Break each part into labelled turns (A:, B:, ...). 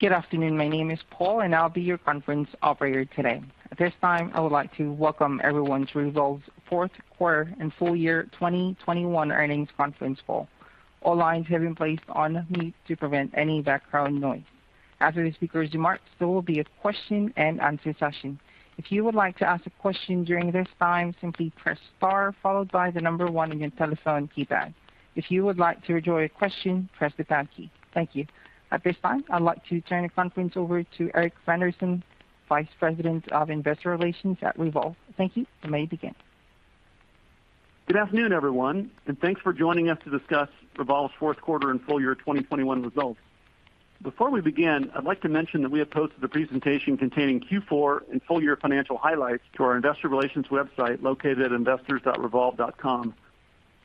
A: Good afternoon. My name is Paul, and I'll be your conference operator today. At this time, I would like to welcome everyone to Revolve's Fourth Quarter and Full Year 2021 Earnings Conference Call. All lines have been placed on mute to prevent any background noise. After the speaker's remarks, there will be a question-and-answer session. If you would like to ask a question during this time, simply press star followed by one on your telephone keypad. If you would like to withdraw your question, press the pound key. Thank you. At this time, I'd like to turn the conference over to Erik Randerson, Vice President of Investor Relations at Revolve. Thank you. You may begin.
B: Good afternoon, everyone, and thanks for joining us to discuss Revolve's fourth quarter and full year 2021 results. Before we begin, I'd like to mention that we have posted a presentation containing Q4 and full year financial highlights to our investor relations website located at investors.revolve.com.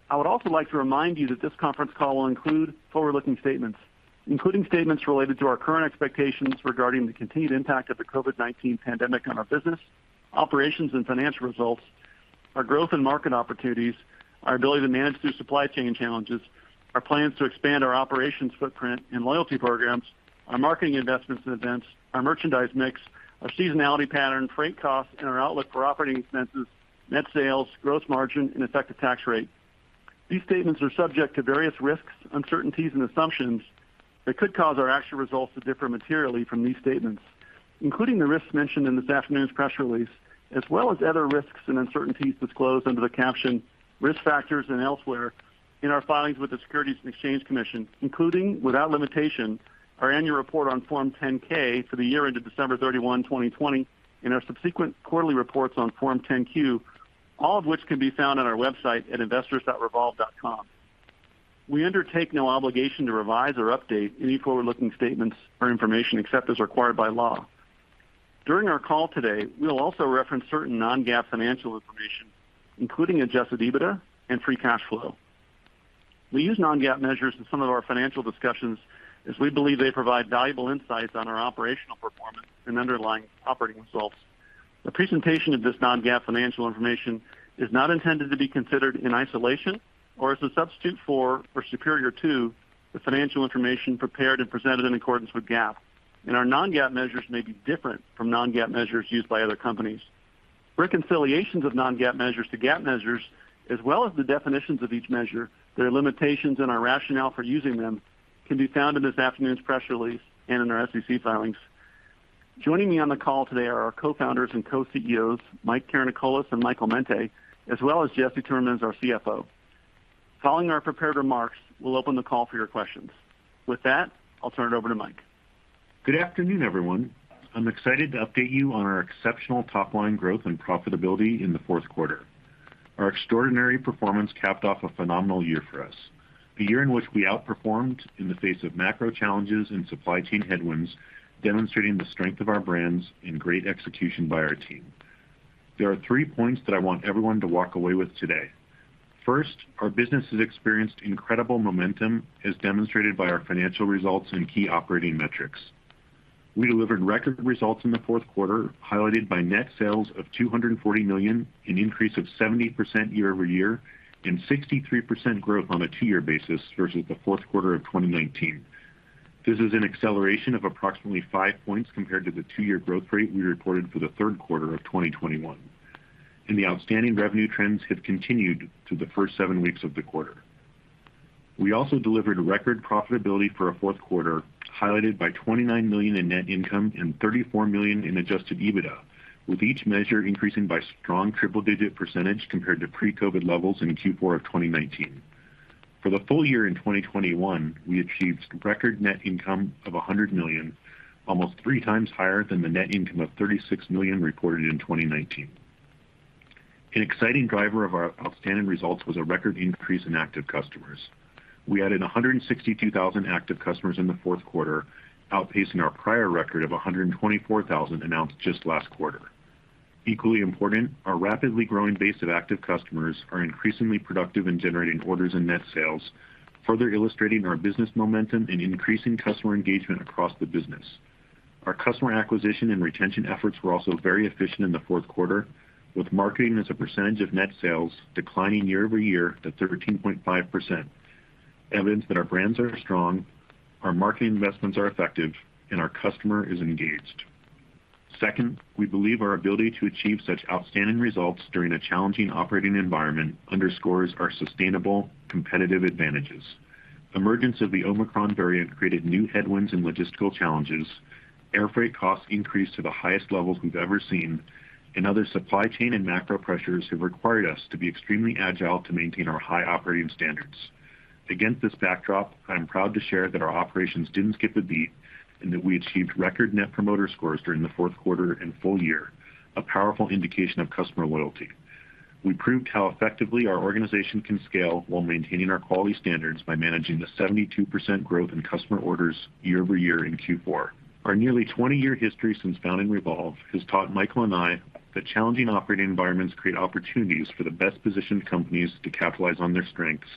B: I would also like to remind you that this conference call will include forward-looking statements, including statements related to our current expectations regarding the continued impact of the COVID-19 pandemic on our business, operations and financial results, our growth and market opportunities, our ability to manage through supply chain challenges, our plans to expand our operations footprint and loyalty programs, our marketing investments and events, our merchandise mix, our seasonality pattern, freight costs, and our outlook for operating expenses, net sales, gross margin, and effective tax rate. These statements are subject to various risks, uncertainties, and assumptions that could cause our actual results to differ materially from these statements, including the risks mentioned in this afternoon's press release, as well as other risks and uncertainties disclosed under the caption Risk Factors and elsewhere in our filings with the Securities and Exchange Commission, including, without limitation, our annual report on Form 10-K for the year ended December 31, 2020, and our subsequent quarterly reports on Form 10-Q, all of which can be found on our website at investors.revolve.com. We undertake no obligation to revise or update any forward-looking statements or information except as required by law. During our call today, we will also reference certain non-GAAP financial information, including Adjusted EBITDA and free cash flow. We use non-GAAP measures in some of our financial discussions as we believe they provide valuable insights on our operational performance and underlying operating results. The presentation of this non-GAAP financial information is not intended to be considered in isolation or as a substitute for or superior to the financial information prepared and presented in accordance with GAAP, and our non-GAAP measures may be different from non-GAAP measures used by other companies. Reconciliations of non-GAAP measures to GAAP measures as well as the definitions of each measure, their limitations and our rationale for using them can be found in this afternoon's press release and in our SEC filings. Joining me on the call today are our co-founders and co-CEOs, Mike Karanikolas and Michael Mente, as well as Jesse Timmermans, our CFO. Following our prepared remarks, we'll open the call for your questions. With that, I'll turn it over to Mike.
C: Good afternoon, everyone. I'm excited to update you on our exceptional top line growth and profitability in the fourth quarter. Our extraordinary performance capped off a phenomenal year for us, a year in which we outperformed in the face of macro challenges and supply chain headwinds, demonstrating the strength of our brands and great execution by our team. There are three points that I want everyone to walk away with today. First, our business has experienced incredible momentum as demonstrated by our financial results and key operating metrics. We delivered record results in the fourth quarter, highlighted by net sales of $240 million, an increase of 70% year-over-year and 63% growth on a two-year basis versus the fourth quarter of 2019. This is an acceleration of approximately five points compared to the two-year growth rate we reported for the third quarter of 2021, and the outstanding revenue trends have continued through the first seven weeks of the quarter. We also delivered record profitability for our fourth quarter, highlighted by $29 million in net income and $34 million in Adjusted EBITDA, with each measure increasing by strong triple-digit % compared to pre-COVID levels in Q4 of 2019. For the full year in 2021, we achieved record net income of $100 million, almost 3x higher than the net income of $36 million reported in 2019. An exciting driver of our outstanding results was a record increase in active customers. We added 162,000 active customers in the fourth quarter, outpacing our prior record of 124,000 announced just last quarter. Equally important, our rapidly growing base of active customers are increasingly productive in generating orders and net sales, further illustrating our business momentum and increasing customer engagement across the business. Our customer acquisition and retention efforts were also very efficient in the fourth quarter, with marketing as a percentage of net sales declining year-over-year to 13.5%, evidence that our brands are strong, our marketing investments are effective, and our customer is engaged. Second, we believe our ability to achieve such outstanding results during a challenging operating environment underscores our sustainable competitive advantages. Emergence of the Omicron variant created new headwinds and logistical challenges. Air freight costs increased to the highest levels we've ever seen, and other supply chain and macro pressures have required us to be extremely agile to maintain our high operating standards. Against this backdrop, I'm proud to share that our operations didn't skip a beat and that we achieved record Net Promoter Scores during the fourth quarter and full year, a powerful indication of customer loyalty. We proved how effectively our organization can scale while maintaining our quality standards by managing the 72% growth in customer orders year-over-year in Q4. Our nearly 20-year history since founding Revolve has taught Michael and I that challenging operating environments create opportunities for the best positioned companies to capitalize on their strengths,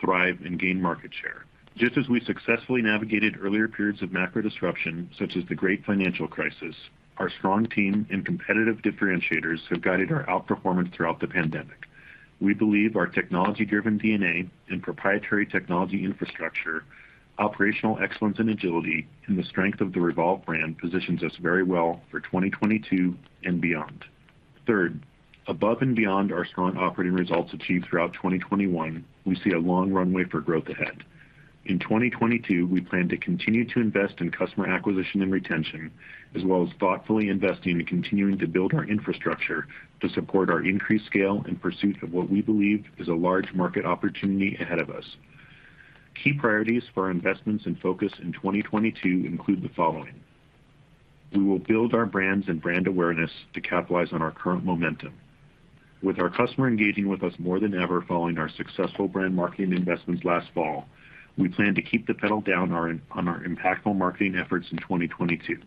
C: thrive, and gain market share. Just as we successfully navigated earlier periods of macro disruption, such as the great financial crisis, our strong team and competitive differentiators have guided our outperformance throughout the pandemic. We believe our technology-driven DNA and proprietary technology infrastructure, operational excellence and agility, and the strength of the Revolve brand positions us very well for 2022 and beyond. Third, above and beyond our strong operating results achieved throughout 2021, we see a long runway for growth ahead. In 2022, we plan to continue to invest in customer acquisition and retention, as well as thoughtfully investing in continuing to build our infrastructure to support our increased scale in pursuit of what we believe is a large market opportunity ahead of us. Key priorities for our investments and focus in 2022 include the following. We will build our brands and brand awareness to capitalize on our current momentum. With our customer engaging with us more than ever following our successful brand marketing investments last fall, we plan to keep the pedal down on our impactful marketing efforts in 2022.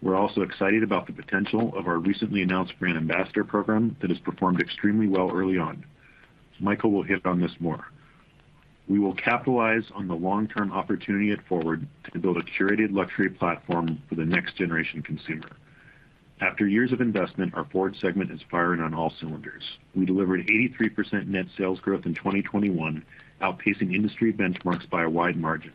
C: We're also excited about the potential of our recently announced Brand Ambassador program that has performed extremely well early on. Michael will hit on this more. We will capitalize on the long-term opportunity at FWRD to build a curated luxury platform for the next generation consumer. After years of investment, our FWRD segment is firing on all cylinders. We delivered 83% net sales growth in 2021, outpacing industry benchmarks by a wide margin.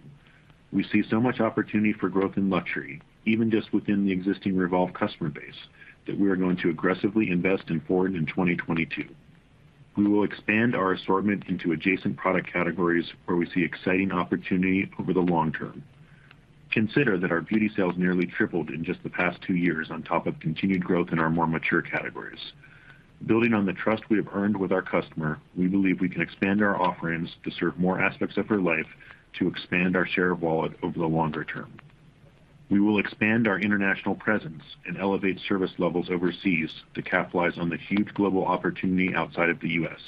C: We see so much opportunity for growth in luxury, even just within the existing Revolve customer base, that we are going to aggressively invest in FWRD in 2022. We will expand our assortment into adjacent product categories where we see exciting opportunity over the long term. Consider that our beauty sales nearly tripled in just the past two years on top of continued growth in our more mature categories. Building on the trust we have earned with our customer, we believe we can expand our offerings to serve more aspects of her life to expand our share of wallet over the longer term. We will expand our international presence and elevate service levels overseas to capitalize on the huge global opportunity outside of the U.S.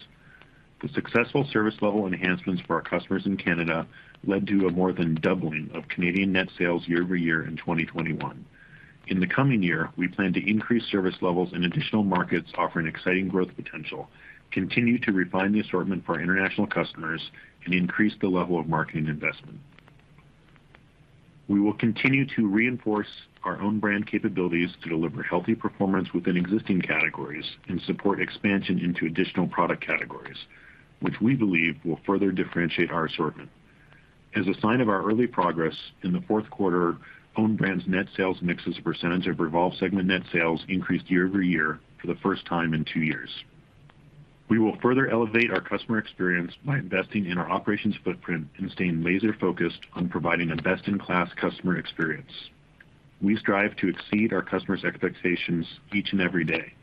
C: The successful service level enhancements for our customers in Canada led to a more than doubling of Canadian net sales year-over-year in 2021. In the coming year, we plan to increase service levels in additional markets offering exciting growth potential, continue to refine the assortment for our international customers, and increase the level of marketing investment. We will continue to reinforce our own brand capabilities to deliver healthy performance within existing categories and support expansion into additional product categories, which we believe will further differentiate our assortment. As a sign of our early progress, in the fourth quarter, own brands net sales mix as a percentage of Revolve segment net sales increased year-over-year for the first time in two years. We will further elevate our customer experience by investing in our operations footprint and staying laser-focused on providing a best-in-class customer experience. We strive to exceed our customers' expectations each and every day.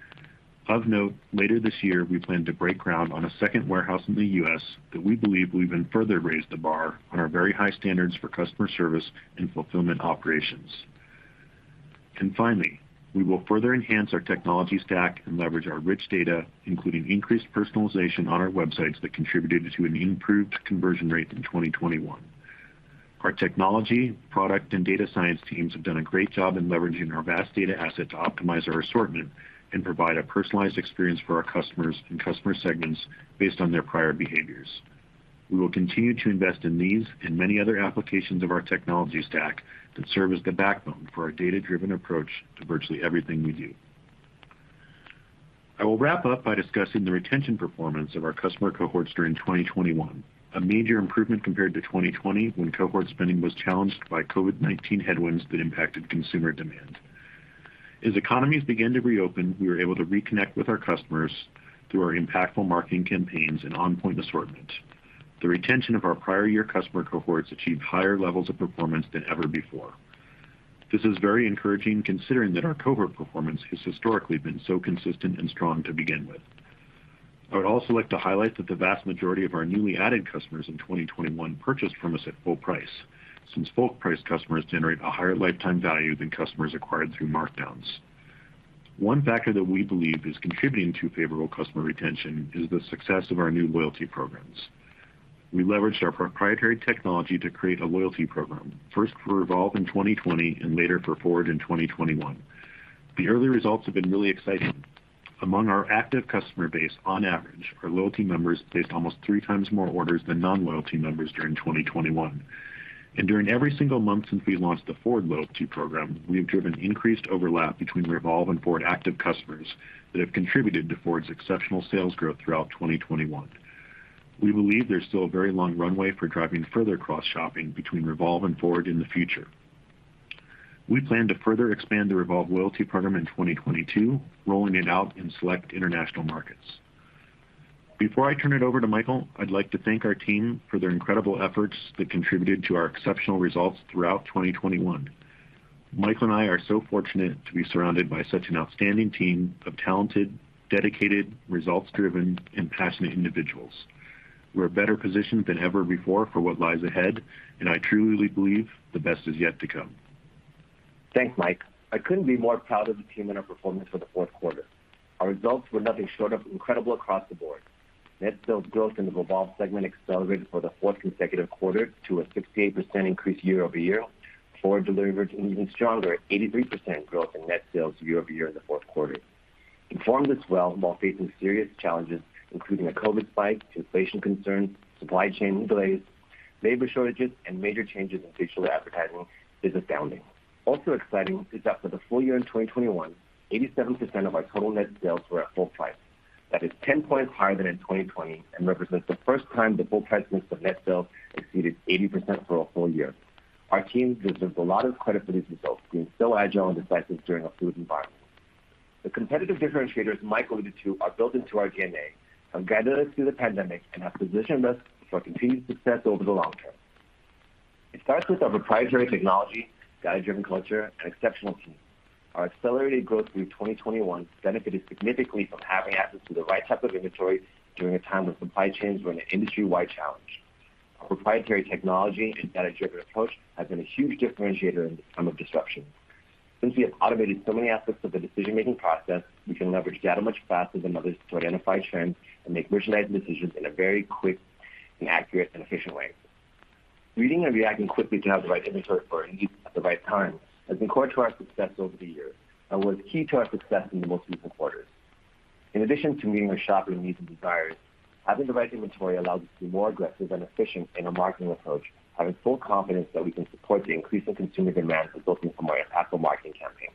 C: Of note, later this year, we plan to break ground on a second warehouse in the U.S. that we believe will even further raise the bar on our very high standards for customer service and fulfillment operations. Finally, we will further enhance our technology stack and leverage our rich data, including increased personalization on our websites that contributed to an improved conversion rate in 2021. Our technology, product, and data science teams have done a great job in leveraging our vast data asset to optimize our assortment and provide a personalized experience for our customers and customer segments based on their prior behaviors. We will continue to invest in these and many other applications of our technology stack that serve as the backbone for our data-driven approach to virtually everything we do. I will wrap up by discussing the retention performance of our customer cohorts during 2021, a major improvement compared to 2020, when cohort spending was challenged by COVID-19 headwinds that impacted consumer demand. As economies began to reopen, we were able to reconnect with our customers through our impactful marketing campaigns and on-point assortment. The retention of our prior year customer cohorts achieved higher levels of performance than ever before. This is very encouraging, considering that our cohort performance has historically been so consistent and strong to begin with. I would also like to highlight that the vast majority of our newly added customers in 2021 purchased from us at full price, since full-price customers generate a higher lifetime value than customers acquired through markdowns. One factor that we believe is contributing to favorable customer retention is the success of our new loyalty programs. We leveraged our proprietary technology to create a loyalty program, first for Revolve in 2020 and later for FWRD in 2021. The early results have been really exciting. Among our active customer base on average, our loyalty members placed almost three times more orders than non-loyalty members during 2021. During every single month since we launched the FWRD loyalty program, we have driven increased overlap between Revolve and FWRD active customers that have contributed to FWRD's exceptional sales growth throughout 2021. We believe there's still a very long runway for driving further cross-shopping between Revolve and FWRD in the future. We plan to further expand the Revolve loyalty program in 2022, rolling it out in select international markets. Before I turn it over to Michael, I'd like to thank our team for their incredible efforts that contributed to our exceptional results throughout 2021. Michael and I are so fortunate to be surrounded by such an outstanding team of talented, dedicated, results-driven, and passionate individuals. We're better positioned than ever before for what lies ahead, and I truly believe the best is yet to come.
D: Thanks, Mike. I couldn't be more proud of the team and our performance for the fourth quarter. Our results were nothing short of incredible across the board. Net sales growth in the Revolve segment accelerated for the fourth consecutive quarter to a 68% increase year-over-year. FWRD delivered an even stronger 83% growth in net sales year-over-year in the fourth quarter. It performed this well while facing serious challenges, including a COVID spike, inflation concerns, supply chain delays, labor shortages, and major changes in digital advertising, is astounding. Also exciting is that for the full year in 2021, 87% of our total net sales were at full price. That is 10 points higher than in 2020 and represents the first time the full price mix of net sales exceeded 80% for a whole year. Our team deserves a lot of credit for these results, being so agile and decisive during a fluid environment. The competitive differentiators Mike alluded to are built into our DNA, have guided us through the pandemic, and have positioned us for continued success over the long term. It starts with our proprietary technology, data-driven culture, and exceptional team. Our accelerated growth through 2021 benefited significantly from having access to the right type of inventory during a time when supply chains were an industry-wide challenge. Our proprietary technology and data-driven approach has been a huge differentiator in this time of disruption. Since we have automated so many aspects of the decision-making process, we can leverage data much faster than others to identify trends and make merchandise decisions in a very quick and accurate and efficient way. Reading and reacting quickly to have the right inventory for our needs at the right time has been core to our success over the years and was key to our success in the most recent quarters. In addition to meeting our shopping needs and desires, having the right inventory allows us to be more aggressive and efficient in our marketing approach, having full confidence that we can support the increasing consumer demand resulting from our impactful marketing campaigns.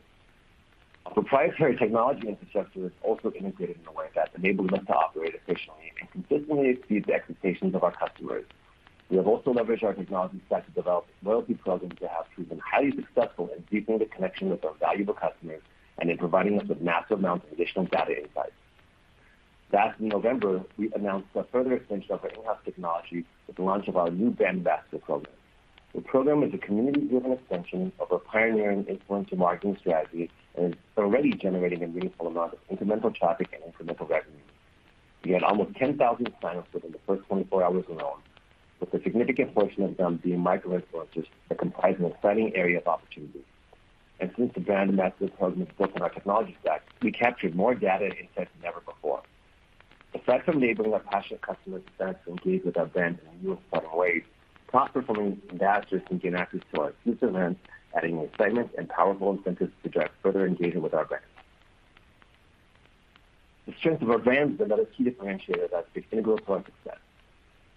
D: Our proprietary technology infrastructure is also integrated in a way that enables us to operate efficiently and consistently exceeds the expectations of our customers. We have also leveraged our technology stack to develop loyalty programs that have proven highly successful in deepening the connection with our valuable customers and in providing us with massive amounts of additional data insights. Back in November, we announced a further extension of our in-house technology with the launch of our new Brand Ambassador program. The program is a community-driven extension of our pioneering influencer marketing strategy, and is already generating a meaningful amount of incremental traffic and incremental revenue. We had almost 10,000 sign-ups within the first 24 hours alone, with a significant portion of them being micro-influencers that comprise an exciting area of opportunity. Since the Brand Ambassador program is built on our technology stack, we captured more data insights than ever before. Aside from enabling our passionate customer base to engage with our brand in new and fun ways, top-performing ambassadors can gain access to our exclusive events, adding more excitement and powerful incentives to drive further engagement with our brands. The strength of our brands is another key differentiator that's been integral to our success.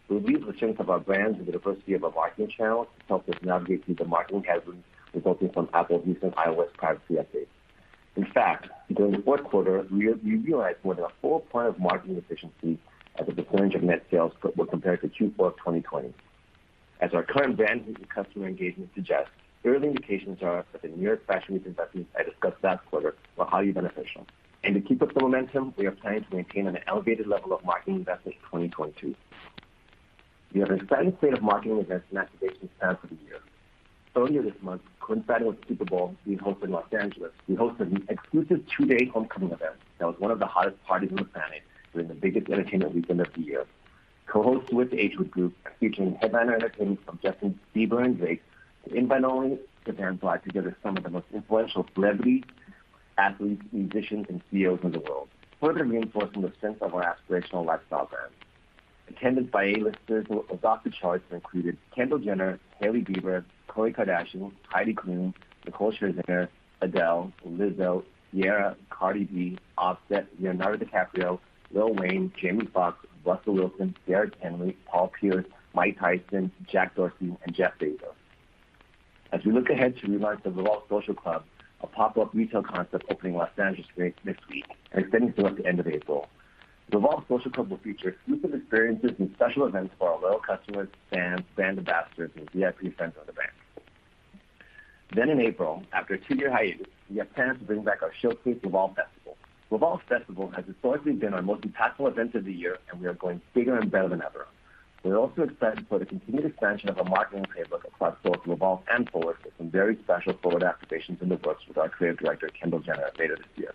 D: We believe the strength of our brands and the diversity of our marketing channels helped us navigate through the marketing hazards resulting from Apple's recent iOS privacy updates. In fact, during the fourth quarter, we realized more than a full point of marketing efficiency as a percentage of net sales compared to Q4 of 2020. As our current brand and customer engagement suggests, early indications are that the New York Fashion Week investments I discussed last quarter were highly beneficial. To keep up the momentum, we are planning to maintain an elevated level of marketing investment in 2022. We have an exciting slate of marketing events and activations planned for the year. Earlier this month, coinciding with Super Bowl, we hosted in Los Angeles an exclusive two-day homecoming event that was one of the hottest parties on the planet during the biggest entertainment weekend of the year. Co-hosted with The h.wood Group, featuring headliner entertainment from Justin Bieber and Drake, the invite-only event brought together some of the most influential celebrities, athletes, musicians, and CEOs in the world, further reinforcing the strength of our aspirational lifestyle brands. Attended by A-listers, our [dotted charts included Kendall Jenner, Hailey Bieber, Khloé Kardashian, Heidi Klum, Nicole Scherzinger, Adele, Lizzo, Ciara, Cardi B, Offset, Leonardo DiCaprio, Lil Wayne, Jamie Foxx, Russell Wilson, Derrick Henry, Paul Pierce, Mike Tyson, Jack Dorsey, and Jeff Bezos. As we look ahead to the launch of Revolve Social Club, a pop-up retail concept opening in Los Angeles later this week and extending through until the end of April. Revolve Social Club will feature exclusive experiences and special events for our loyal customers, fans, brand ambassadors, and VIP friends of the brand. In April, after a two-year hiatus, we have plans to bring back our showcase, Revolve Festival. Revolve Festival has historically been our most impactful event of the year, and we are going bigger and better than ever. We're also excited for the continued expansion of our marketing playbook across both Revolve and Forward with some very special Forward activations in the works with our creative director, Kendall Jenner, later this year.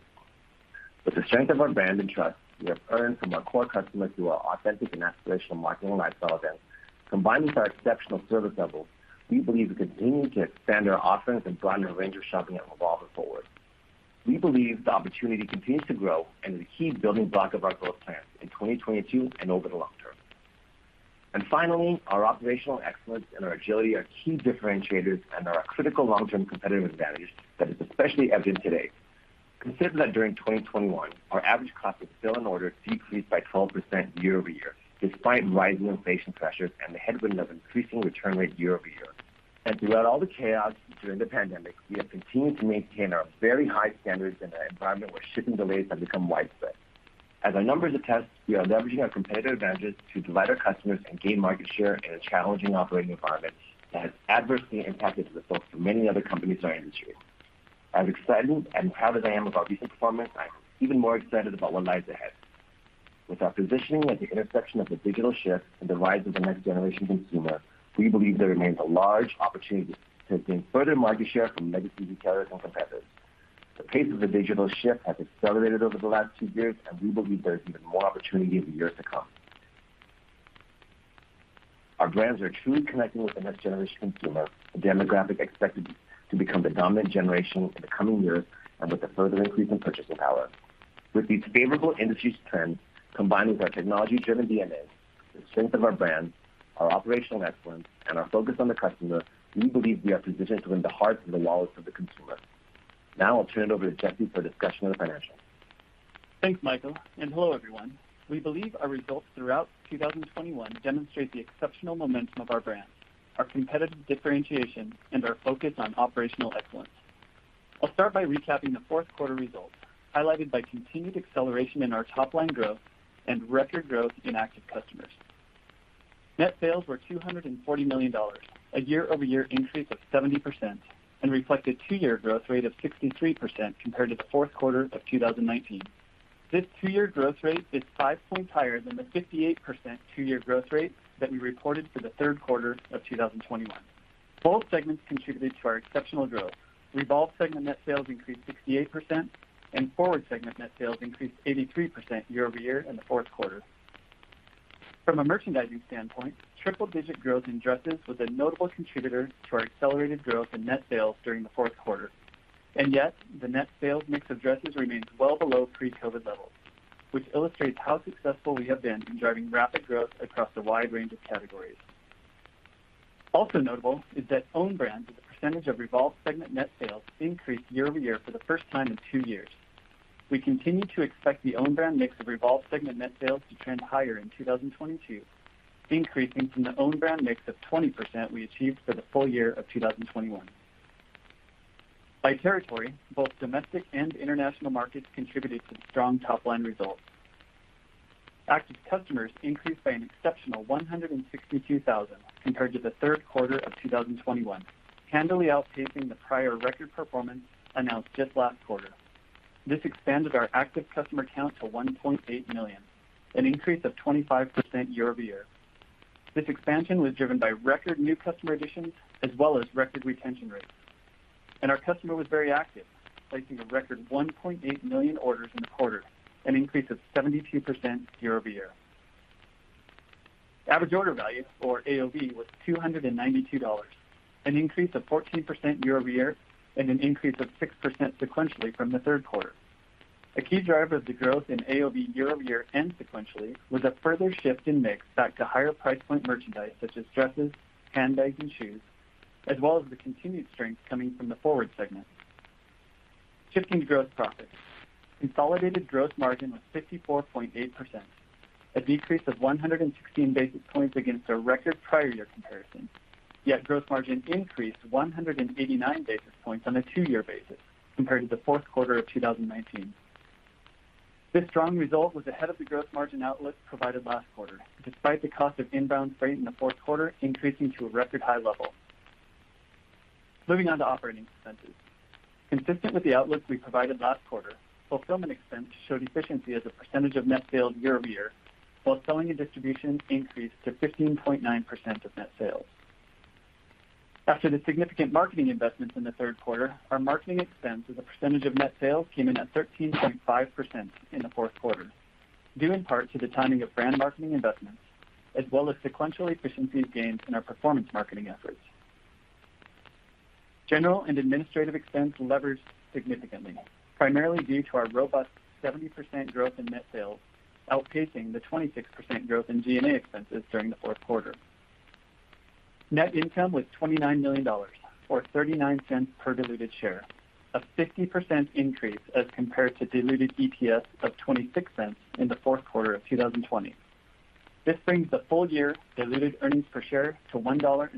D: With the strength of our brand and trust we have earned from our core customers through our authentic and aspirational marketing and lifestyle events, combined with our exceptional service levels, we believe we continue to expand our offerings and broaden the range of shopping at Revolve and Forward. We believe the opportunity continues to grow and is a key building block of our growth plans in 2022 and over the long term. Finally, our operational excellence and our agility are key differentiators and are our critical long-term competitive advantage that is especially evident today. Consider that during 2021, our average cost of fill and order decreased by 12% year over year, despite rising inflation pressures and the headwind of increasing return rate year over year. Throughout all the chaos during the pandemic, we have continued to maintain our very high standards in an environment where shipping delays have become widespread. As our numbers attest, we are leveraging our competitive advantages to delight our customers and gain market share in a challenging operating environment that has adversely impacted the results for many other companies in our industry. As excited and proud as I am of our recent performance, I am even more excited about what lies ahead. With our positioning at the intersection of the digital shift and the rise of the next generation consumer, we believe there remains a large opportunity to gain further market share from legacy retailers and competitors. The pace of the digital shift has accelerated over the last two years, and we believe there's even more opportunity in the years to come. Our brands are truly connecting with the next generation consumer, a demographic expected to become the dominant generation in the coming years, and with a further increase in purchasing power. With these favorable industry trends, combined with our technology-driven DNA, the strength of our brands, our operational excellence, and our focus on the customer, we believe we are positioned to win the hearts and the wallets of the consumer. Now I'll turn it over to Jesse for a discussion of the financials.
E: Thanks, Michael, and hello, everyone. We believe our results throughout 2021 demonstrate the exceptional momentum of our brands, our competitive differentiation, and our focus on operational excellence. I'll start by recapping the fourth quarter results, highlighted by continued acceleration in our top line growth and record growth in active customers. Net sales were $240 million, a year-over-year increase of 70% and reflected two-year growth rate of 63% compared to the fourth quarter of 2019. This two-year growth rate is five points higher than the 58% two-year growth rate that we reported for the third quarter of 2021. Both segments contributed to our exceptional growth. Revolve segment net sales increased 68% and FWRD segment net sales increased 83% year-over-year in the fourth quarter. From a merchandising standpoint, triple-digit growth in dresses was a notable contributor to our accelerated growth in net sales during the fourth quarter. Yet, the net sales mix of dresses remains well below pre-COVID-19 levels, which illustrates how successful we have been in driving rapid growth across a wide range of categories. Also notable is that own brand as a percentage of Revolve segment net sales increased year-over-year for the first time in 2 years. We continue to expect the own brand mix of Revolve segment net sales to trend higher in 2022, increasing from the own brand mix of 20% we achieved for the full year of 2021. By territory, both domestic and international markets contributed to strong top-line results. Active customers increased by an exceptional 162,000 compared to the third quarter of 2021, handily outpacing the prior record performance announced just last quarter. This expanded our active customer count to 1.8 million, an increase of 25% year-over-year. This expansion was driven by record new customer additions as well as record retention rates, and our customers were very active, placing a record 1.8 million orders in the quarter, an increase of 72% year-over-year. Average order value or AOV was $292, an increase of 14% year-over-year, and an increase of 6% sequentially from the third quarter. A key driver of the growth in AOV year-over-year and sequentially was a further shift in mix back to higher price point merchandise such as dresses, handbags, and shoes, as well as the continued strength coming from the FWRD segment. Shifting to gross profits. Consolidated gross margin was 54.8%, a decrease of 116 basis points against a record prior year comparison. Gross margin increased 189 basis points on a two-year basis compared to the fourth quarter of 2019. This strong result was ahead of the gross margin outlook provided last quarter, despite the cost of inbound freight in the fourth quarter increasing to a record high level. Moving on to operating expenses. Consistent with the outlook we provided last quarter, fulfillment expense showed efficiency as a percentage of net sales year over year, while selling and distribution increased to 15.9% of net sales. After the significant marketing investments in the third quarter, our marketing expense as a percentage of net sales came in at 13.5% in the fourth quarter, due in part to the timing of brand marketing investments as well as sequential efficiencies gained in our performance marketing efforts. General and administrative expense leveraged significantly, primarily due to our robust 70% growth in net sales, outpacing the 26% growth in G&A expenses during the fourth quarter. Net income was $29 million or $0.39 per diluted share, a 50% increase as compared to diluted EPS of $0.26 in the fourth quarter of 2020. This brings the full year diluted EPS to $1.34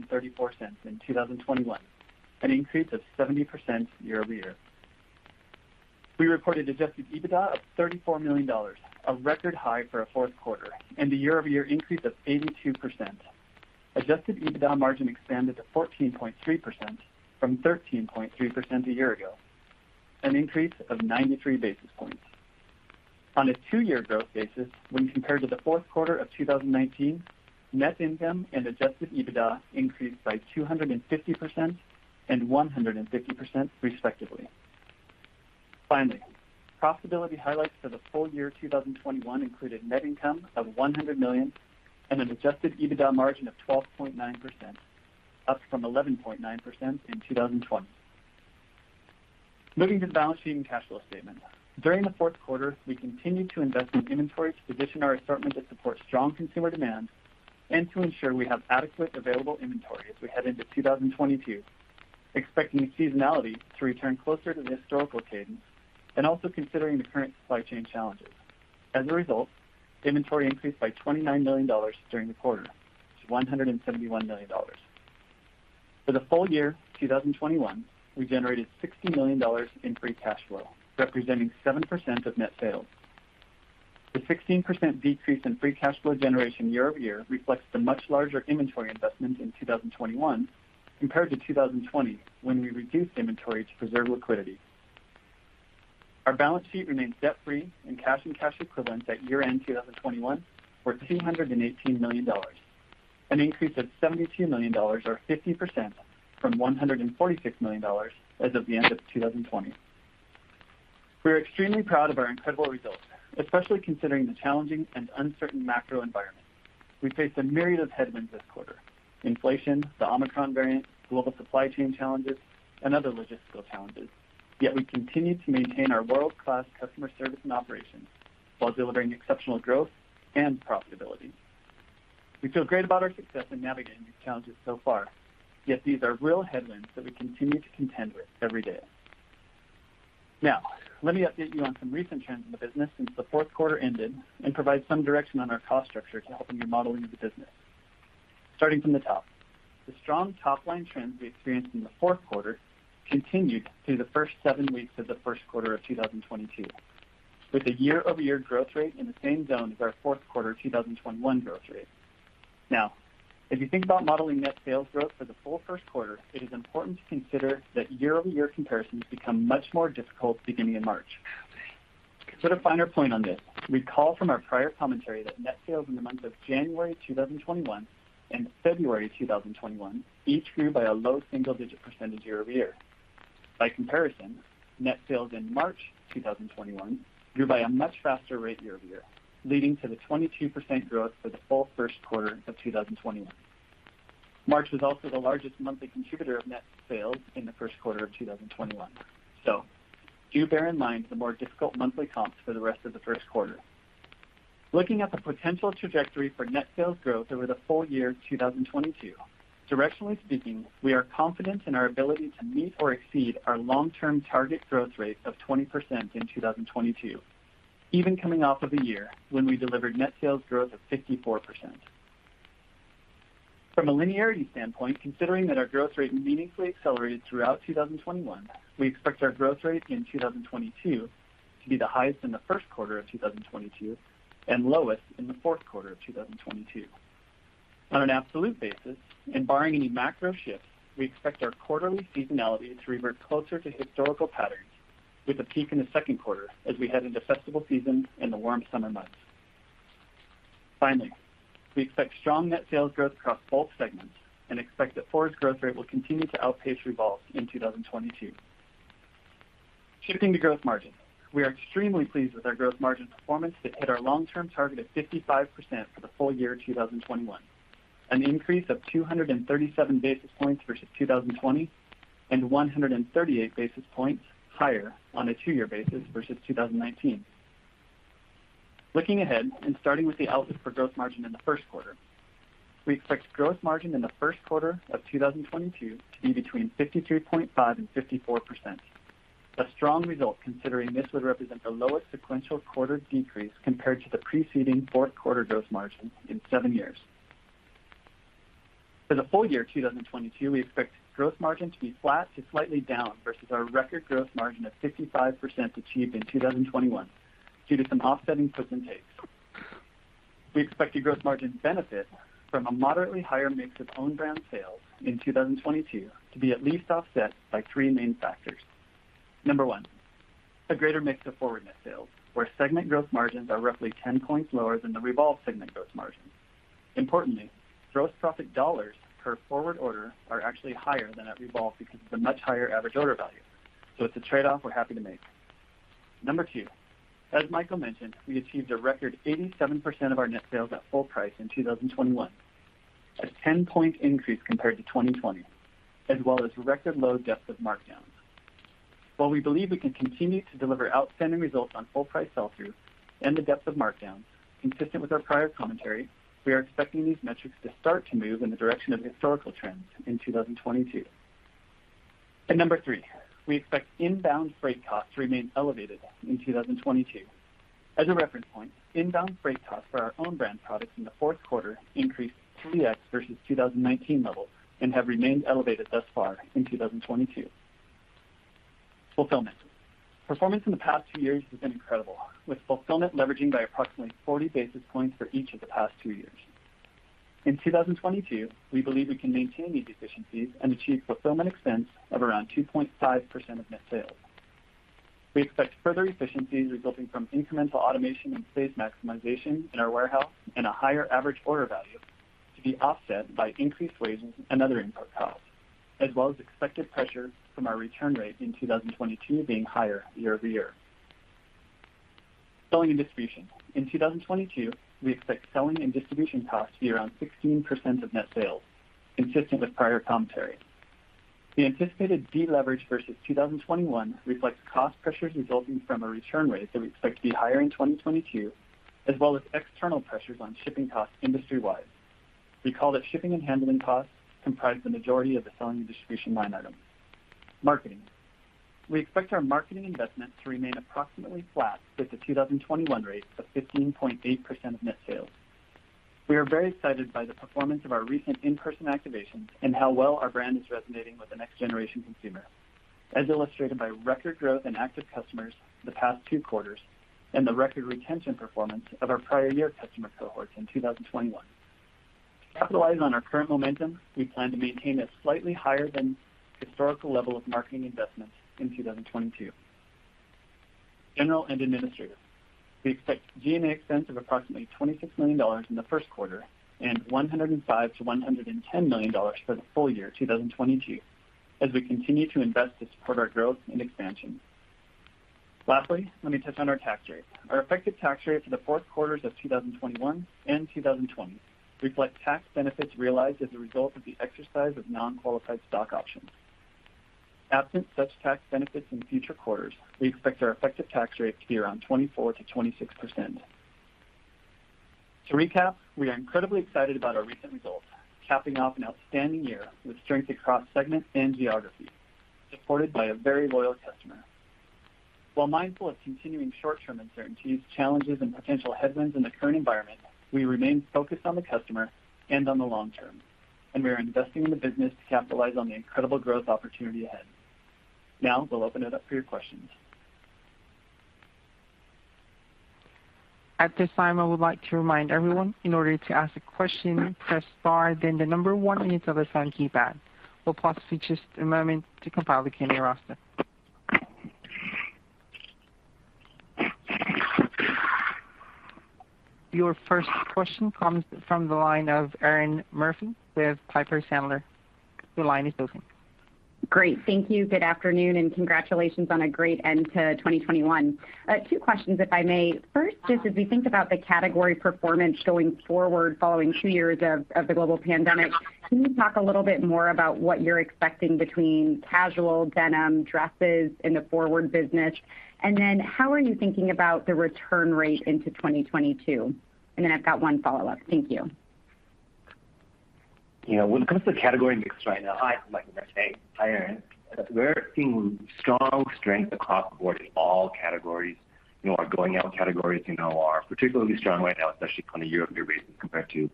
E: in 2021, an increase of 70% year-over-year. We reported Adjusted EBITDA of $34 million, a record high for a fourth quarter, and a year-over-year increase of 82%. Adjusted EBITDA margin expanded to 14.3% from 13.3% a year ago, an increase of 93 basis points. On a two-year growth basis, when compared to the fourth quarter of 2019, net income and Adjusted EBITDA increased by 250% and 150%, respectively. Finally, profitability highlights for the full year 2021 included net income of $100 million and an Adjusted EBITDA margin of 12.9%, up from 11.9% in 2020. Moving to the balance sheet and cash flow statement. During the fourth quarter, we continued to invest in inventory to position our assortment to support strong consumer demand and to ensure we have adequate available inventory as we head into 2022, expecting seasonality to return closer to the historical cadence and also considering the current supply chain challenges. As a result, inventory increased by $29 million during the quarter to $171 million. For the full year 2021, we generated $60 million in free cash flow, representing 7% of net sales. The 16% decrease in free cash flow generation year over year reflects the much larger inventory investment in 2021 compared to 2020, when we reduced inventory to preserve liquidity. Our balance sheet remains debt-free, and cash and cash equivalents at year-end 2021 were $218 million, an increase of $72 million or 50% from $146 million as of the end of 2020. We are extremely proud of our incredible results, especially considering the challenging and uncertain macro environment. We faced a myriad of headwinds this quarter: inflation, the Omicron variant, global supply chain challenges, and other logistical challenges. Yet we continue to maintain our world class customer service and operations while delivering exceptional growth and profitability. We feel great about our success in navigating these challenges so far, yet these are real headwinds that we continue to contend with every day. Now, let me update you on some recent trends in the business since the fourth quarter ended and provide some direction on our cost structure to help in your modeling of the business. Starting from the top, the strong top-line trends we experienced in the fourth quarter continued through the first seven weeks of the first quarter of 2022, with the year-over-year growth rate in the same zone as our fourth quarter of 2021 growth rate. Now, if you think about modeling net sales growth for the full first quarter, it is important to consider that year-over-year comparisons become much more difficult beginning in March. To sort of find our point on this, recall from our prior commentary that net sales in the months of January 2021 and February 2021 each grew by a low single digit percentage year-over-year. By comparison, net sales in March 2021 grew by a much faster rate year-over-year, leading to the 22% growth for the full first quarter of 2021. March was also the largest monthly contributor of net sales in the first quarter of 2021. Do bear in mind the more difficult monthly comps for the rest of the first quarter. Looking at the potential trajectory for net sales growth over the full year 2022, directionally speaking, we are confident in our ability to meet or exceed our long-term target growth rate of 20% in 2022. Even coming off of a year when we delivered net sales growth of 54%. From a linearity standpoint, considering that our growth rate meaningfully accelerated throughout 2021, we expect our growth rate in 2022 to be the highest in the first quarter of 2022 and lowest in the fourth quarter of 2022. On an absolute basis, and barring any macro shifts, we expect our quarterly seasonality to revert closer to historical patterns with a peak in the second quarter as we head into festival season and the warm summer months. Finally, we expect strong net sales growth across both segments and expect that FWRD's growth rate will continue to outpace Revolve in 2022. Shifting to gross margin. We are extremely pleased with our gross margin performance that hit our long-term target of 55% for the full year 2021, an increase of 237 basis points versus 2020 and 138 basis points higher on a two-year basis versus 2019. Looking ahead and starting with the outlook for gross margin in the first quarter, we expect gross margin in the first quarter of 2022 to be between 52.5% and 54%. A strong result considering this would represent the lowest sequential quarter decrease compared to the preceding fourth quarter gross margin in seven years. For the full year 2022, we expect gross margin to be flat to slightly down versus our record gross margin of 55% achieved in 2021 due to some offsetting puts and takes. We expect the gross margin benefit from a moderately higher mix of own brand sales in 2022 to be at least offset by three main factors. Number one, a greater mix of FWRD net sales, where segment gross margins are roughly 10 points lower than the Revolve segment gross margin. Importantly, gross profit dollars per FWRD order are actually higher than at Revolve because of the much higher average order value. It's a trade-off we're happy to make. Number two, as Michael mentioned, we achieved a record 87% of our net sales at full price in 2021, a 10-point increase compared to 2020, as well as record low depth of markdowns. While we believe we can continue to deliver outstanding results on full price sell through and the depth of markdowns, consistent with our prior commentary, we are expecting these metrics to start to move in the direction of historical trends in 2022. Number three, we expect inbound freight costs to remain elevated in 2022. As a reference point, inbound freight costs for our own brand products in the fourth quarter increased 3x versus 2019 levels and have remained elevated thus far in 2022. Fulfillment. Performance in the past two years has been incredible, with fulfillment leveraging by approximately 40 basis points for each of the past two years. In 2022, we believe we can maintain these efficiencies and achieve fulfillment expense of around 2.5% of net sales. We expect further efficiencies resulting from incremental automation and space maximization in our warehouse and a higher average order value to be offset by increased wages and other input costs, as well as expected pressure from our return rate in 2022 being higher year-over-year. Selling and distribution. In 2022, we expect selling and distribution costs to be around 16% of net sales, consistent with prior commentary. The anticipated deleverage versus 2021 reflects cost pressures resulting from a return rate that we expect to be higher in 2022, as well as external pressures on shipping costs industry wide. We call that shipping and handling costs comprise the majority of the selling and distribution line item. Marketing. We expect our marketing investment to remain approximately flat with the 2021 rate of 15.8% of net sales. We are very excited by the performance of our recent in-person activations and how well our brand is resonating with the next-generation consumer, as illustrated by record growth in active customers the past two quarters and the record retention performance of our prior year customer cohorts in 2021. To capitalize on our current momentum, we plan to maintain a slightly higher than historical level of marketing investments in 2022. General and administrative. We expect G&A expense of approximately $26 million in the first quarter and $105 million-$110 million for the full year 2022 as we continue to invest to support our growth and expansion. Lastly, let me touch on our tax rate. Our effective tax rate for the fourth quarters of 2021 and 2020 reflect tax benefits realized as a result of the exercise of non-qualified stock options. Absent such tax benefits in future quarters, we expect our effective tax rate to be around 24%-26%. To recap, we are incredibly excited about our recent results, capping off an outstanding year with strength across segments and geographies, supported by a very loyal customer. While mindful of continuing short-term uncertainties, challenges, and potential headwinds in the current environment, we remain focused on the customer and on the long term, and we are investing in the business to capitalize on the incredible growth opportunity ahead. Now, we'll open it up for your questions.
A: At this time, I would like to remind everyone, in order to ask a question, press star then the number one on your telephone keypad. We'll pause for just a moment to compile the attendee roster. Your first question comes from the line of Erinn Murphy with Piper Sandler. Your line is open.
F: Great. Thank you. Good afternoon, and congratulations on a great end to 2021. Two questions, if I may. First, just as we think about the category performance going forward following two years of the global pandemic, can you talk a little bit more about what you're expecting between casual denim dresses in the FWRD business? And then how are you thinking about the return rate into 2022? And then I've got one follow-up. Thank you.
C: Yeah. When it comes to category mix right now. Hi, Mike here. Hey, hi, Erinn. We're seeing strong across the board in all categories. You know, our going out categories, you know, are particularly strong right now, especially on a year-over-year basis compared to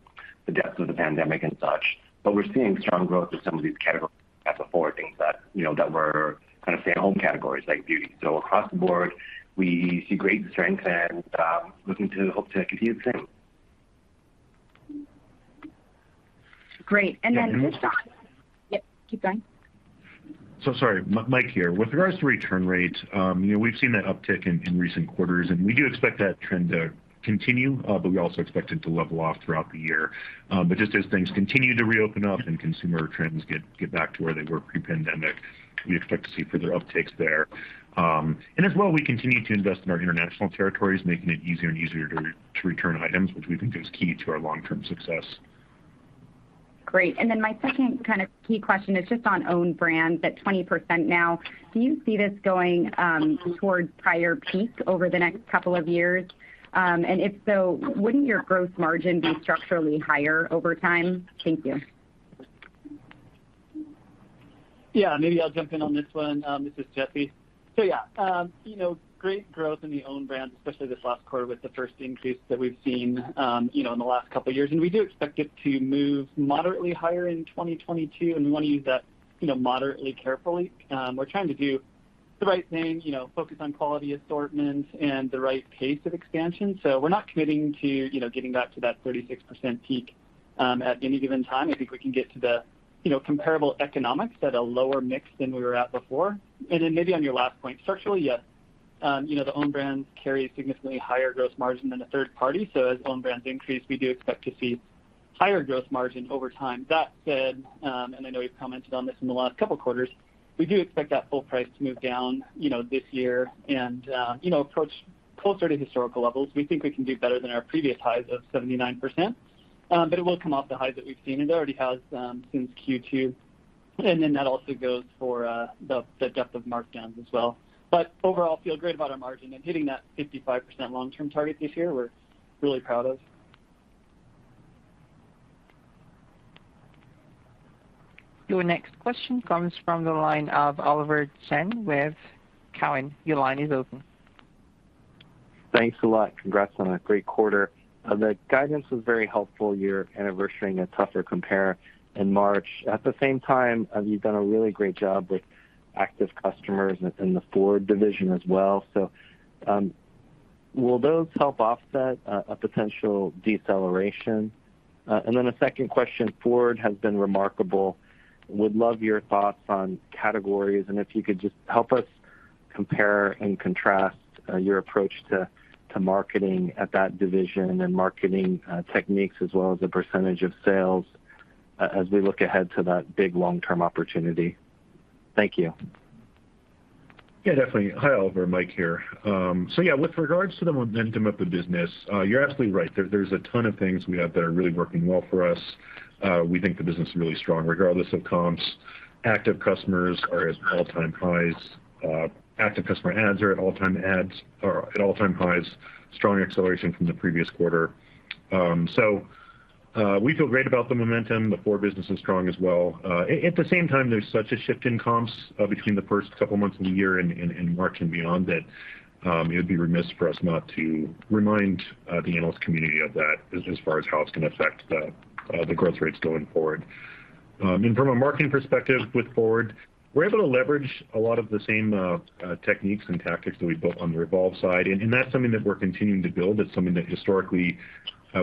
C: the depth of the pandemic and such. But we're seeing strong growth in some of these categories as before, things that, you know, that were kind of stay-at-home categories like beauty. Across the board, we see great strength and looking to hope to continue the same.
F: Great. Just on-
C: Yeah.
F: Yep, keep going.
C: Sorry. Mike here. With regards to return rates, you know, we've seen that uptick in recent quarters, and we do expect that trend to continue, but we also expect it to level off throughout the year. Just as things continue to reopen up and consumer trends get back to where they were pre-pandemic, we expect to see further upticks there. As well, we continue to invest in our international territories, making it easier and easier to return items, which we think is key to our long-term success.
F: Great. My second kind of key question is just on own brand, that 20% now. Do you see this going towards prior peak over the next couple of years? And if so, wouldn't your gross margin be structurally higher over time? Thank you.
E: Yeah, maybe I'll jump in on this one. This is Jesse. Yeah, you know, great growth in the own brand, especially this last quarter with the first increase that we've seen, you know, in the last couple of years, and we do expect it to move moderately higher in 2022, and we wanna use that, you know, moderately carefully. We're trying to do the right thing, you know, focus on quality assortment and the right pace of expansion. We're not committing to, you know, getting back to that 36% peak at any given time. I think we can get to the, you know, comparable economics at a lower mix than we were at before. Maybe on your last point, structurally, yes, you know, the own brands carry a significantly higher gross margin than a third party. As own brands increase, we do expect to see higher gross margin over time. That said, and I know we've commented on this in the last couple quarters, we do expect that full price to move down, you know, this year and, you know, approach closer to historical levels. We think we can do better than our previous highs of 79%, but it will come off the highs that we've seen, and it already has, since Q2. That also goes for the depth of markdowns as well. Overall, we feel great about our margin, and hitting that 55% long-term target this year, we're really proud of.
A: Your next question comes from the line of Oliver Chen with Cowen. Your line is open.
G: Thanks a lot. Congrats on a great quarter. The guidance was very helpful. You're anniversarying a tougher compare in March. At the same time, you've done a really great job with active customers in the FWRD division as well. Will those help offset a potential deceleration? A second question. FWRD has been remarkable. Would love your thoughts on categories, and if you could just help us compare and contrast your approach to marketing at that division and marketing techniques as well as the percentage of sales as we look ahead to that big long-term opportunity. Thank you.
C: Yeah, definitely. Hi, Oliver. Mike here. So yeah, with regards to the momentum of the business, you're absolutely right. There's a ton of things we have that are really working well for us. We think the business is really strong regardless of comps. Active customers are at all-time highs. Active customer adds are at all-time highs. Strong acceleration from the previous quarter. So, we feel great about the momentum. The FWRD business is strong as well. At the same time, there's such a shift in comps between the first couple months of the year in March and beyond that it would be remiss for us not to remind the analyst community of that as far as how it's gonna affect the growth rates going forward. From a marketing perspective with Forward, we're able to leverage a lot of the same techniques and tactics that we built on the Revolve side, and that's something that we're continuing to build. It's something that historically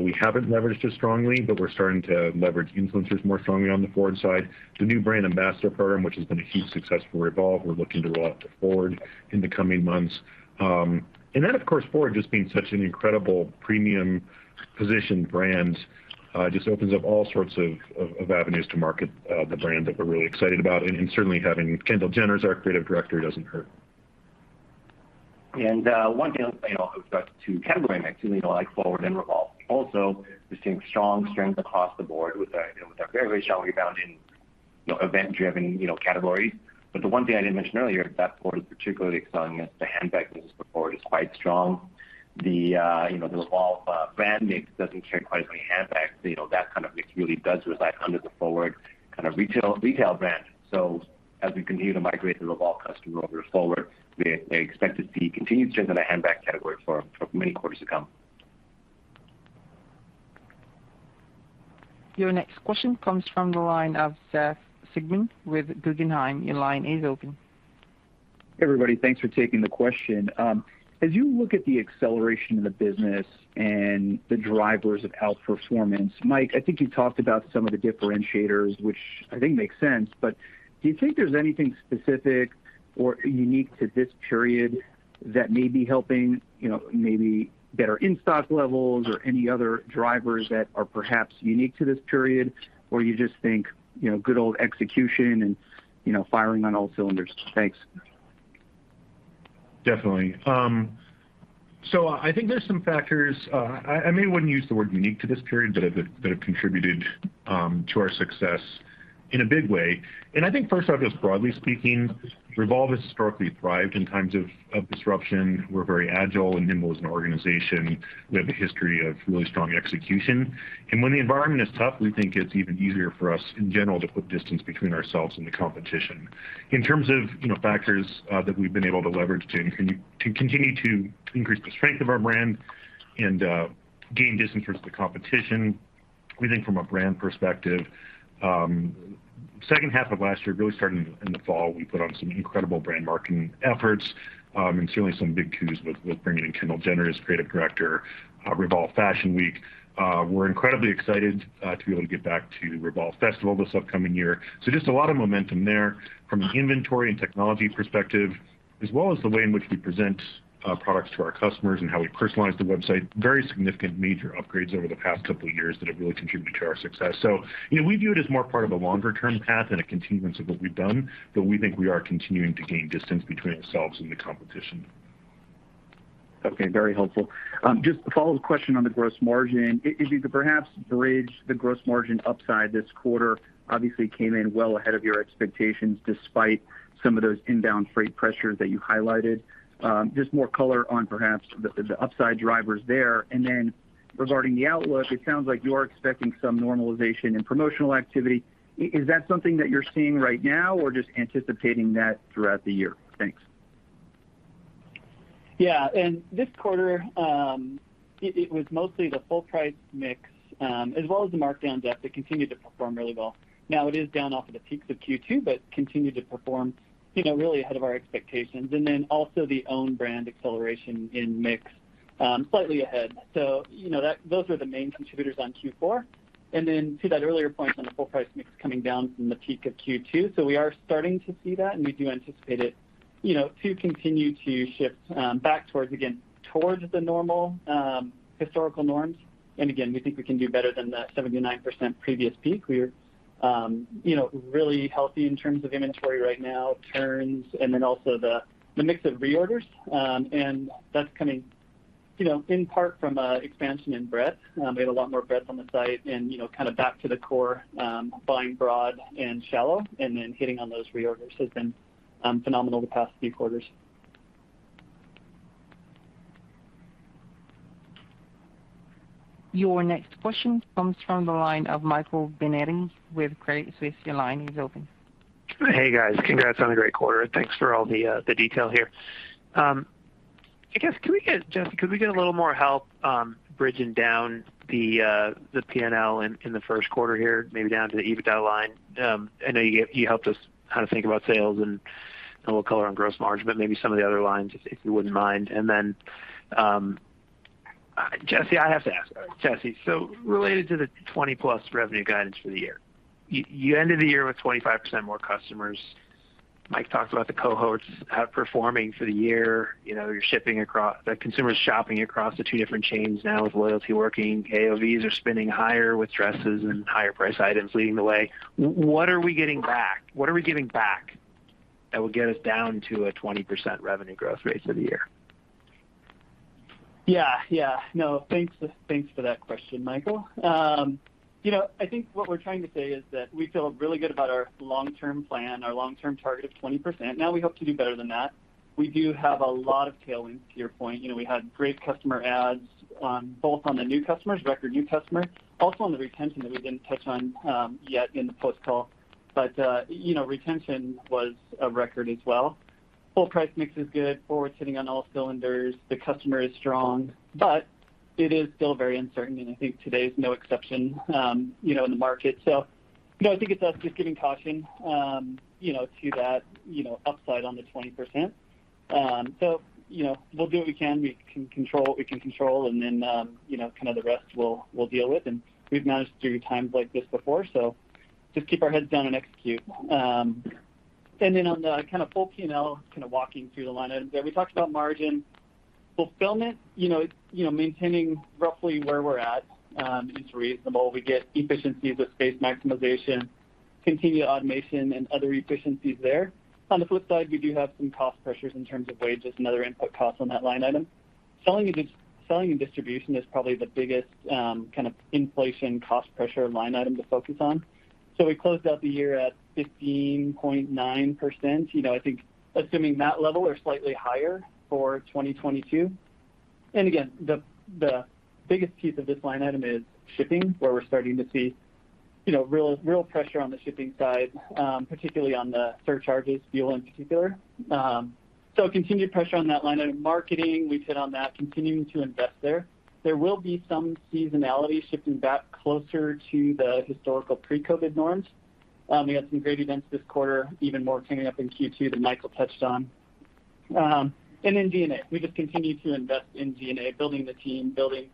C: we haven't leveraged as strongly, but we're starting to leverage influencers more strongly on the Forward side. The new Brand Ambassador program, which has been a huge success for Revolve, we're looking to roll out to Forward in the coming months. Then of course, forward just being such an incredible premium positioned brand just opens up all sorts of of avenues to market the brand that we're really excited about. Certainly, having Kendall Jenner as our creative director doesn't hurt.
E: One thing I'll say about the two-category mix, you know, like FWRD and Revolve also, we're seeing strong across the board with the, you know, with the variation we found in, you know, event-driven, you know, categories. The one thing I didn't mention earlier that FWRD is particularly exciting is the handbag business for FWRD is quite strong. The, you know, the Revolve brand mix doesn't carry quite as many handbags. You know that kind of mix really does reside under the FWRD kind of retail brand. As we continue to migrate the Revolve customer over to FWRD, we expect to see continued strength in the handbag category for many quarters to come.
A: Your next question comes from the line of Seth Sigman with Guggenheim. Your line is open.
H: Hey, everybody. Thanks for taking the question. As you look at the acceleration in the business and the drivers of outperformance, Mike, I think you talked about some of the differentiators, which I think makes sense, but do you think there's anything specific or unique to this period that may be helping, you know, maybe better in-stock levels or any other drivers that are perhaps unique to this period, or you just think, you know, good old execution and, you know, firing on all cylinders? Thanks.
C: Definitely. So I think there's some factors, I maybe wouldn't use the word unique to this period, but that have contributed to our success in a big way. I think first off, just broadly speaking, Revolve has historically thrived in times of disruption. We're very agile and nimble as an organization. We have a history of really strong execution. When the environment is tough, we think it's even easier for us, in general, to put distance between ourselves and the competition. In terms of, you know, factors that we've been able to leverage to continue to increase the strength of our brand and gain distance versus the competition, we think from a brand perspective, second half of last year, really starting in the fall, we put on some incredible brand marketing efforts, and certainly some big wins with bringing in Kendall Jenner as creative director, Revolve Fashion Week. We're incredibly excited to be able to get back to Revolve Festival this upcoming year. Just a lot of momentum there from an inventory and technology perspective, as well as the way in which we present products to our customers and how we personalize the website. Very significant major upgrades over the past couple of years that have really contributed to our success. You know, we view it as more part of a longer term path and a continuance of what we've done, but we think we are continuing to gain distance between ourselves and the competition.
H: Okay, very helpful. Just a follow-up question on the gross margin. If you could perhaps bridge the gross margin upside this quarter obviously came in well ahead of your expectations, despite some of those inbound freight pressures that you highlighted. Just more color on perhaps the upside drivers there. Regarding the outlook, it sounds like you are expecting some normalization in promotional activity. Is that something that you're seeing right now or just anticipating that throughout the year? Thanks.
E: Yeah. This quarter, it was mostly the full price mix, as well as the markdown depth that continued to perform really well. Now it is down off of the peaks of Q2, but continued to perform, you know, really ahead of our expectations. Then also the own brand acceleration in mix, slightly ahead. You know, those are the main contributors on Q4. Then to that earlier point on the full price mix coming down from the peak of Q2. We are starting to see that, and we do anticipate it, you know, to continue to shift back towards, again, towards the normal historical norms. Again, we think we can do better than that 79% previous peak. We're really healthy in terms of inventory right now, turns, and then also the mix of reorders. That's coming in part from expansion and breadth. We had a lot more breadth on the site and kind of back to the core, buying broad and shallow and then hitting on those reorders has been phenomenal the past few quarters.
A: Your next question comes from the line of Michael Binetti with Credit Suisse. Your line is open.
I: Hey, guys. Congrats on a great quarter. Thanks for all the detail here. Jesse, could we get a little more help bridging down the P&L in the first quarter here, maybe down to the EBITDA line? I know you helped us kind of think about sales and a little color on gross margin, but maybe some of the other lines, if you wouldn't mind. Jesse, I have to ask. Jesse, so related to the 20+ revenue guidance for the year, you ended the year with 25% more customers. Mike talked about the cohorts outperforming for the year. You know, the consumer's shopping across the two different chains now with loyalty working. AOVs are higher with dresses and higher price items leading the way. What are we getting back? What are we giving back that will get us down to a 20% revenue growth rate for the year?
E: Yeah. No, thanks for that question, Michael. You know, I think what we're trying to say is that we feel really good about our long-term plan, our long-term target of 20%. We hope to do better than that. We do have a lot of tailwinds, to your point. You know, we had great customer adds on both on the new customers, record new customers, also on the retention that we didn't touch on yet in the post-call. Retention was a record as well. Full price mix is good. FWRD's hitting on all cylinders. The customer is strong, but it is still very uncertain, and I think today is no exception, you know, in the market. You know, I think it's us just giving caution, you know, to that, you know, upside on the 20%. You know, we'll do what we can. We can control what we can control and then, you know, kind of the rest we'll deal with. We've managed through times like this before, just keep our heads down and execute. On the kind of full P&L, kind of walking through the line item there. We talked about margin. Fulfillment, you know, maintaining roughly where we're at, is reasonable. We get efficiencies with space maximization, continued automation and other efficiencies there. On the flip side, we do have some cost pressures in terms of wages and other input costs on that line item. Selling and distribution is probably the biggest, kind of inflation cost pressure line item to focus on. We closed out the year at 15.9%. You know, I think assuming that level or slightly higher for 2022. Again, the biggest piece of this line item is shipping, where we're starting to see. You know, real pressure on the shipping side, particularly on the surcharges, fuel in particular. Continued pressure on that line item. Marketing, we've hit on that, continuing to invest there. There will be some seasonality shifting back closer to the historical pre-COVID norms. We had some great events this quarter, even more coming up in Q2 that Michael touched on. Then G&A. We just continue to invest in G&A, building the team, building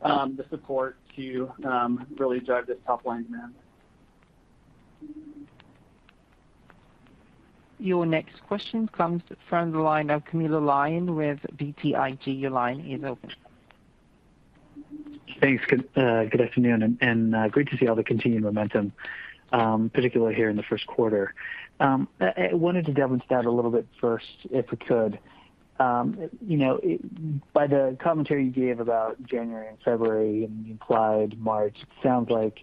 E: the support to really drive this top line down.
A: Your next question comes from the line of Camilo Lyon with BTIG. Your line is open.
J: Thanks. Good afternoon, and great to see all the continued momentum, particularly here in the first quarter. I wanted to delve into that a little bit first, if we could. You know, by the commentary you gave about January and February and implied March, it sounds like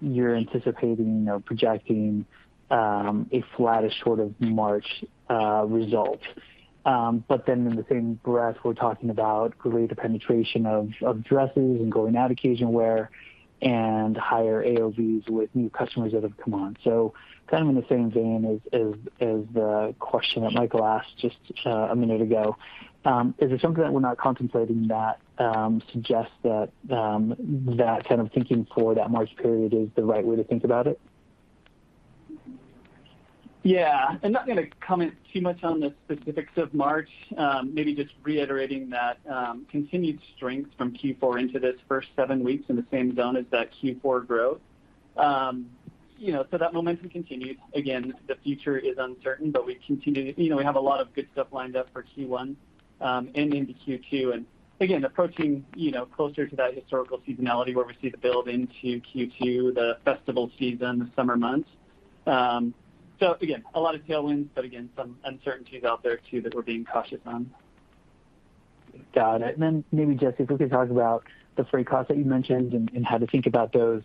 J: you're anticipating or projecting a flattish sort of March result. But then in the same breath, we're talking about greater penetration of dresses and going-out occasion wear and higher AOVs with new customers that have come on. Kind of in the same vein as the question that Michael asked just a minute ago, is there something that we're not contemplating that suggests that kind of thinking for that March period is the right way to think about it?
E: Yeah. I'm not gonna comment too much on the specifics of March. Maybe just reiterating that continued strength from Q4 into this first seven weeks in the same zone as that Q4 growth. You know, so that momentum continues. Again, the future is uncertain, but we continue. You know, we have a lot of good stuff lined up for Q1, and into Q2. Again, approaching, you know, closer to that historical seasonality where we see the build into Q2, the festival season, the summer months. Again, a lot of tailwinds, but again, some uncertainties out there too that we're being cautious on.
J: Got it. Maybe, Jesse, if we could talk about the freight costs that you mentioned and how to think about those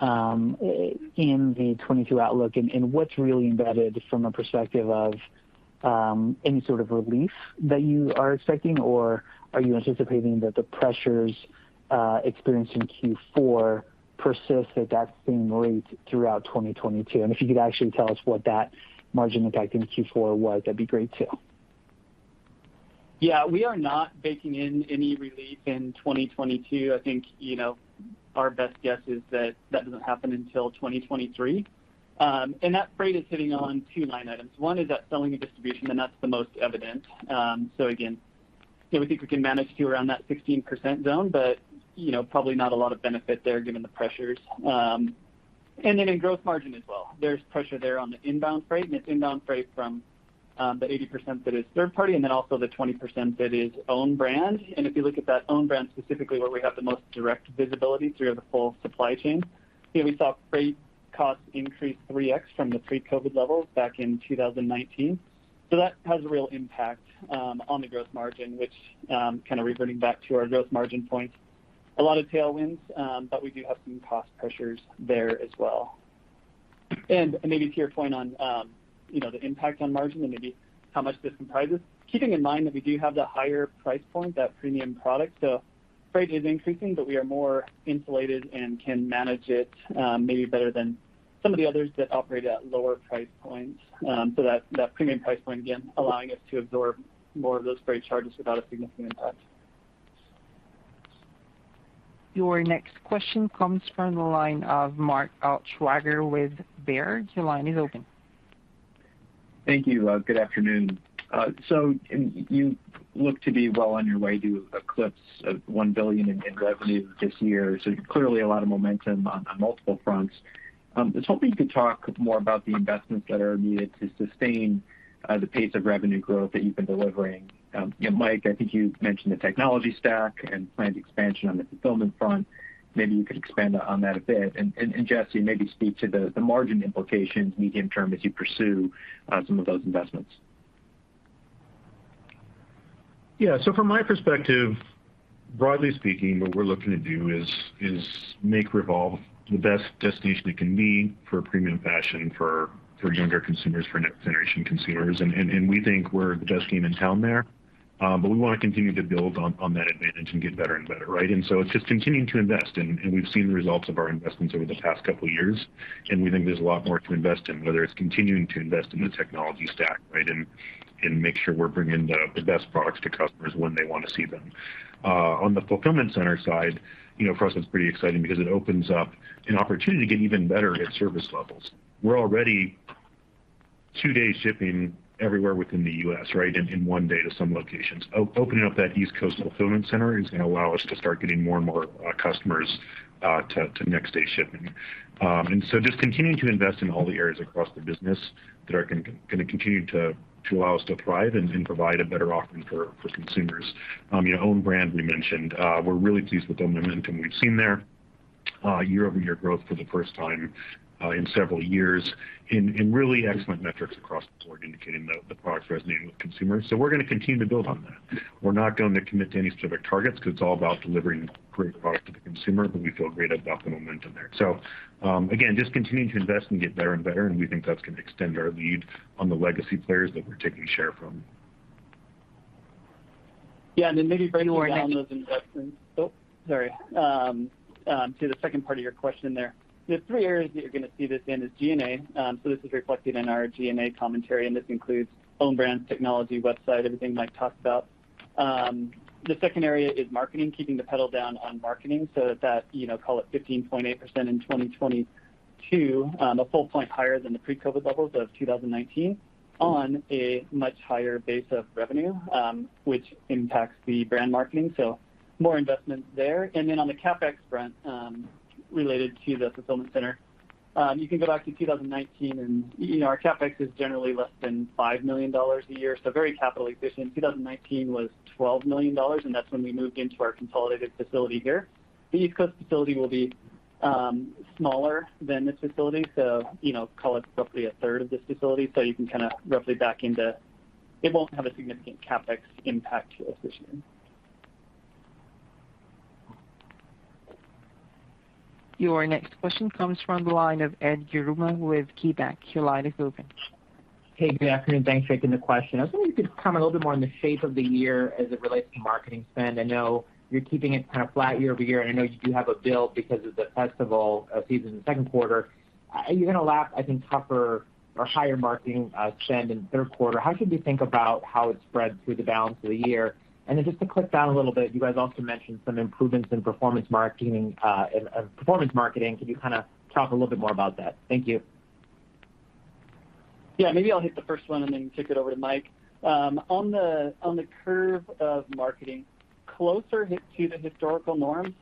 J: in the 2022 outlook. What's really embedded from a perspective of any sort of relief that you are expecting, or are you anticipating that the pressures experienced in Q4 persist at that same rate throughout 2022? If you could actually tell us what that margin impact in Q4 was, that'd be great too.
E: Yeah. We are not baking in any relief in 2022. I think, you know, our best guess is that that doesn't happen until 2023. That freight is hitting on two-line items. One is that selling and distribution, and that's the most evident. Again, you know, we think we can manage to around that 16% zone, but, you know, probably not a lot of benefit there given the pressures. In gross margin as well, there's pressure there on the inbound freight, and its inbound freight from the 80% that is third party and then also the 20% that is own brand. If you look at that own brand specifically where we have the most direct visibility through the full supply chain, you know, we saw freight costs increase 3x from the pre-COVID levels back in 2019. That has a real impact on the gross margin, which kind of reverting back to our gross margin point, a lot of tailwinds, but we do have some cost pressures there as well. Maybe to your point on, you know, the impact on margin and maybe how much this comprises, keeping in mind that we do have the higher price point, that premium product. Freight is increasing, but we are more insulated and can manage it, maybe better than some of the others that operate at lower price points. That premium price point, again, allowing us to absorb more of those freight charges without a significant impact.
A: Your next question comes from the line of Mark Altschwager with Baird. Your line is open.
K: Thank you. Good afternoon. So you look to be well on your way to eclipse $1 billion in revenue this year. So clearly a lot of momentum on multiple fronts. I was hoping you could talk more about the investments that are needed to sustain the pace of revenue growth that you've been delivering. You know, Mike, I think you mentioned the technology stack and planned expansion on the fulfillment front. Maybe you could expand on that a bit. And Jesse, maybe speak to the margin implications medium term as you pursue some of those investments.
C: Yeah. From my perspective, broadly speaking, what we're looking to do is make Revolve the best destination it can be for premium fashion for younger consumers, for next generation consumers. We think we're the best game in town there. We wanna continue to build on that advantage and get better and better, right? It's just continuing to invest. We've seen the results of our investments over the past couple years, and we think there's a lot more to invest in, whether it's continuing to invest in the technology stack, right, and make sure we're bringing the best products to customers when they wanna see them. On the fulfillment center side, you know, for us, it's pretty exciting because it opens up an opportunity to get even better at service levels. We're already two-day shipping everywhere within the U.S., right? One day to some locations. Opening up that East Coast fulfillment center is gonna allow us to start getting more and more customers to next day shipping. Just continuing to invest in all the areas across the business that are gonna continue to allow us to thrive and provide a better offering for consumers. You know, own brand we mentioned. We're really pleased with the momentum we've seen there. Year-over-year growth for the first time in several years and really excellent metrics across the board indicating the product's resonating with consumers. We're gonna continue to build on that. We're not going to commit to any specific targets 'cause it's all about delivering great product to the consumer, but we feel great about the momentum there. Again, just continuing to invest and get better and better, and we think that's gonna extend our lead on the legacy players that we're taking share from.
E: Yeah. Maybe bring more in on those investments. Oh, sorry. To the second part of your question there. The three areas that you're gonna see this in is G&A. So this is reflected in our G&A commentary, and this includes own brands, technology, website, everything Mike talked about. The second area is marketing, keeping the pedal down on marketing so that you know, call it 15.8% in 2022, a full point higher than the pre-COVID levels of 2019 on a much higher base of revenue, which impacts the brand marketing, so more investment there. On the CapEx front, related to the fulfillment center, you can go back to 2019. You know, our CapEx is generally less than $5 million a year, so very capital efficient. 2019 was $12 million, and that's when we moved into our consolidated facility here. The East Coast facility will be smaller than this facility, so you know, call it roughly a third of this facility. You can kinda roughly back into it. It won't have a significant CapEx impact to us this year.
A: Your next question comes from the line of Ed Yruma with KeyBank. Your line is open.
L: Hey, good afternoon. Thanks for taking the question. I was wondering if you could comment a little bit more on the shape of the year as it relates to marketing spend. I know you're keeping it kind of flat year-over-year, and I know you do have a build because of the festival season in the second quarter. Are you gonna lap, I think, tougher or higher marketing spend in third quarter? How should we think about how it's spread through the balance of the year? Just to drill down a little bit, you guys also mentioned some improvements in performance marketing. Can you kinda talk a little bit more about that? Thank you.
E: Yeah, maybe I'll hit the first one and then kick it over to Mike. On the curve of marketing, closer to the historical norms,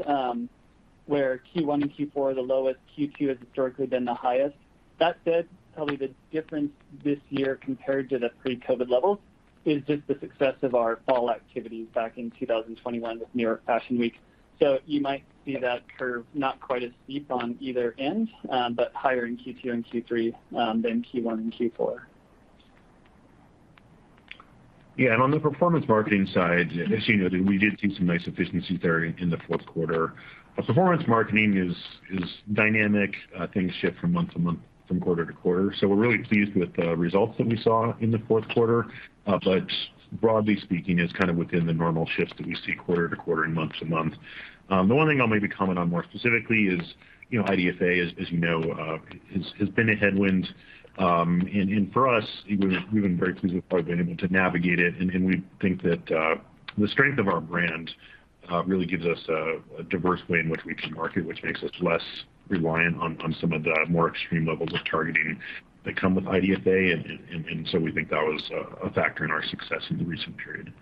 E: where Q1 and Q4 are the lowest, Q2 has historically been the highest. That said, probably the difference this year compared to the pre-COVID levels is just the success of our fall activity back in 2021 with New York Fashion Week. You might see that curve not quite as steep on either end, but higher in Q2 and Q3 than Q1 and Q4.
C: Yeah. On the performance marketing side, as you noted, we did see some nice efficiencies there in the fourth quarter. Performance marketing is dynamic. Things shift from month to month, from quarter to quarter. We're really pleased with the results that we saw in the fourth quarter. Broadly speaking, it's kind of within the normal shifts that we see quarter to quarter and month to month. The one thing I'll maybe comment on more specifically is, you know, IDFA, as you know, has been a headwind. For us, we've been very pleased with how we've been able to navigate it. We think that the strength of our brand really gives us a diverse way in which we can market, which makes us less reliant on some of the more extreme levels of targeting that come with IDFA. We think that was a factor in our success in the recent period.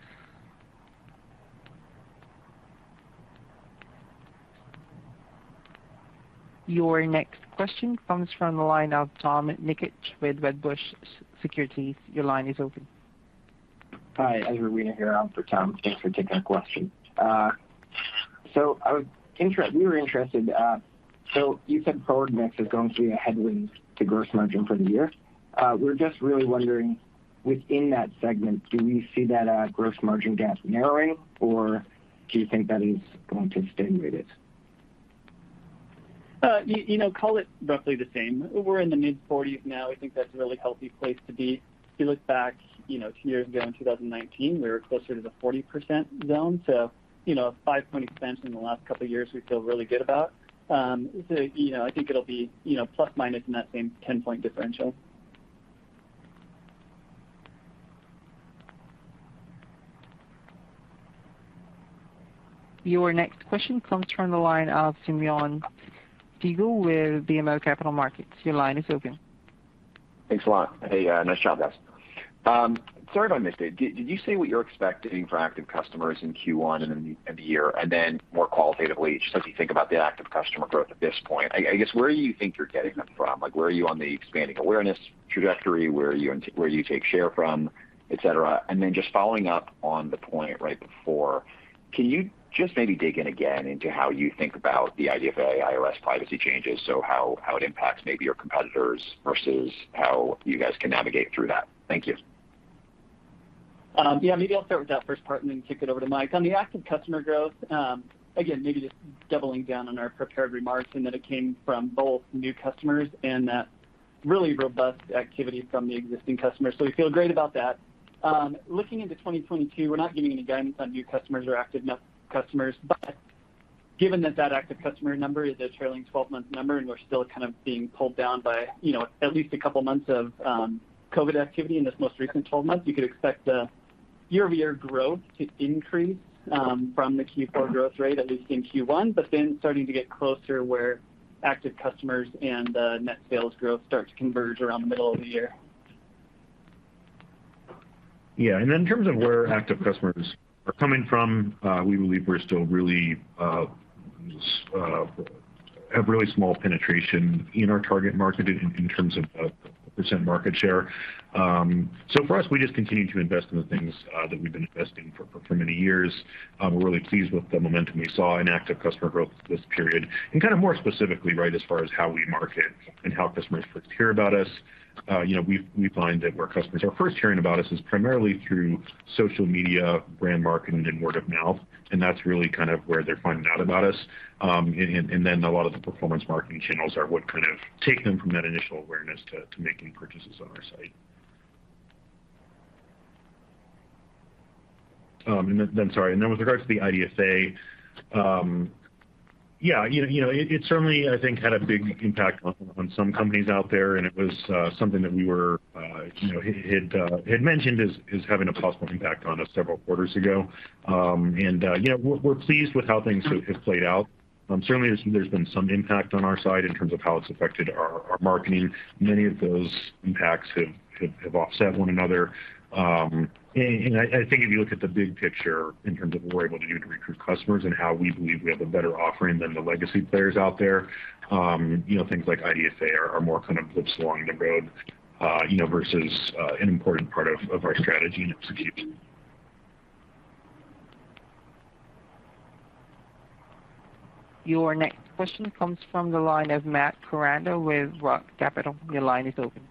A: Your next question comes from the line of Tom Nikic with Wedbush Securities. Your line is open.
M: Hi, Ezra Weiner here for Tom. Thanks for taking our question. We were interested, so you said FWRD mix is going to be a headwind to gross margin for the year. We're just really wondering within that segment, do we see that, gross margin gap narrowing, or do you think that is going to stay rated?
E: You know, call it roughly the same. We're in the mid-40s% now. I think that's a really healthy place to be. If you look back, you know, two years ago in 2019, we were closer to the 40% zone. You know, a five-point expansion in the last couple years we feel really good about. You know, I think it'll be, you know, plus/minus in that same 10-point differential.
A: Your next question comes from the line of Simeon Siegel with BMO Capital Markets. Your line is open.
N: Thanks a lot. Hey, nice job, guys. Sorry if I missed it. Did you say what you're expecting for active customers in Q1 and in the year? More qualitatively, just as you think about the active customer growth at this point, I guess, where do you think you're getting them from? Like, where are you on the expanding awareness trajectory? Where you take share from, et cetera. Just following up on the point right before, can you just maybe dig in again into how you think about the IDFA iOS privacy changes? How it impacts maybe your competitors versus how you guys can navigate through that? Thank you.
E: Yeah, maybe I'll start with that first part and then kick it over to Mike. On the active customer growth, again, maybe just doubling down on our prepared remarks in that it came from both new customers and that really robust activity from the existing customers. We feel great about that. Looking into 2022, we're not giving any guidance on new customers or active customers, but given that active customer number is a trailing 12-month number, and we're still kind of being pulled down by, you know, at least a couple months of COVID activity in this most recent 12 months, you could expect the year-over-year growth to increase from the Q4 growth rate, at least in Q1, but then starting to get closer where active customers and net sales growth start to converge around the middle of the year.
C: Yeah. Then in terms of where active customers are coming from, we believe we're still really small penetration in our target market in terms of percent market share. For us, we just continue to invest in the things that we've been investing for many years. We're really pleased with the momentum we saw in active customer growth this period. Kind of more specifically, right, as far as how we market and how customers first hear about us, you know, we find that where customers are first hearing about us is primarily through social media, brand marketing, and word of mouth, and that's really kind of where they're finding out about us. A lot of the performance marketing channels are what kind of take them from that initial awareness to making purchases on our site. With regards to the IDFA, yeah, you know, it certainly, I think, had a big impact on some companies out there, and it was something that we were, you know, had mentioned as having a possible impact on us several quarters ago. Yeah, we're pleased with how things have played out. Certainly, there's been some impact on our side in terms of how it's affected our marketing. Many of those impacts have offset one another. I think if you look at the big picture in terms of what we're able to do to recruit customers and how we believe we have a better offering than the legacy players out there, you know, things like IDFA are more kind of blips along the road, you know, versus an important part of our strategy and execution.
A: Your next question comes from the line of Matt Koranda with ROTH Capital Partners. Your line is open.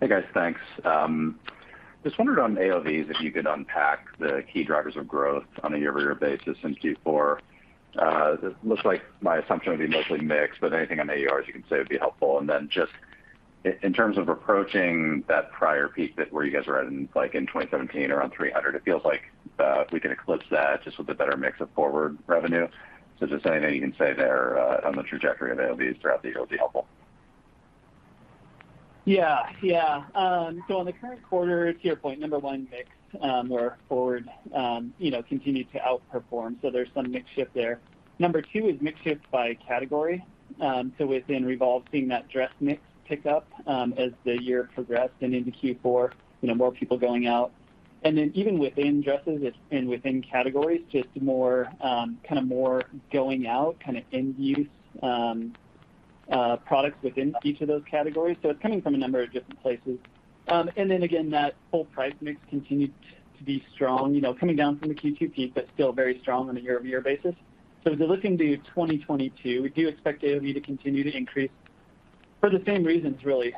O: Hey, guys. Thanks. Just wondered on AOV, if you could unpack the key drivers of growth on a year-over-year basis in Q4. It looks like my assumption would be mostly mix, but anything on AOV you can say would be helpful. Just in terms of approaching that prior peak where you guys were at in, like, in 2017 around $300, it feels like we can eclipse that just with a better mix of FWRD revenue. Just anything you can say there on the trajectory of AOVs throughout the year would be helpful.
E: Yeah. On the current quarter, to your point, number one, mix, FWRD, you know, continued to outperform. There's some mix shift there. Number two is mix shift by category. Within Revolve, seeing that dress mix pick up, as the year progressed and into Q4, you know, more people going out. Then even within dresses, it's and within categories, just more kinda more going out, kinda end-use products within each of those categories. It's coming from a number of different places. Then again, that full price mix continued to be strong, you know, coming down from the Q2 peak, but still very strong on a year-over-year basis. As we look into 2022, we do expect AOV to continue to increase for the same reasons, really.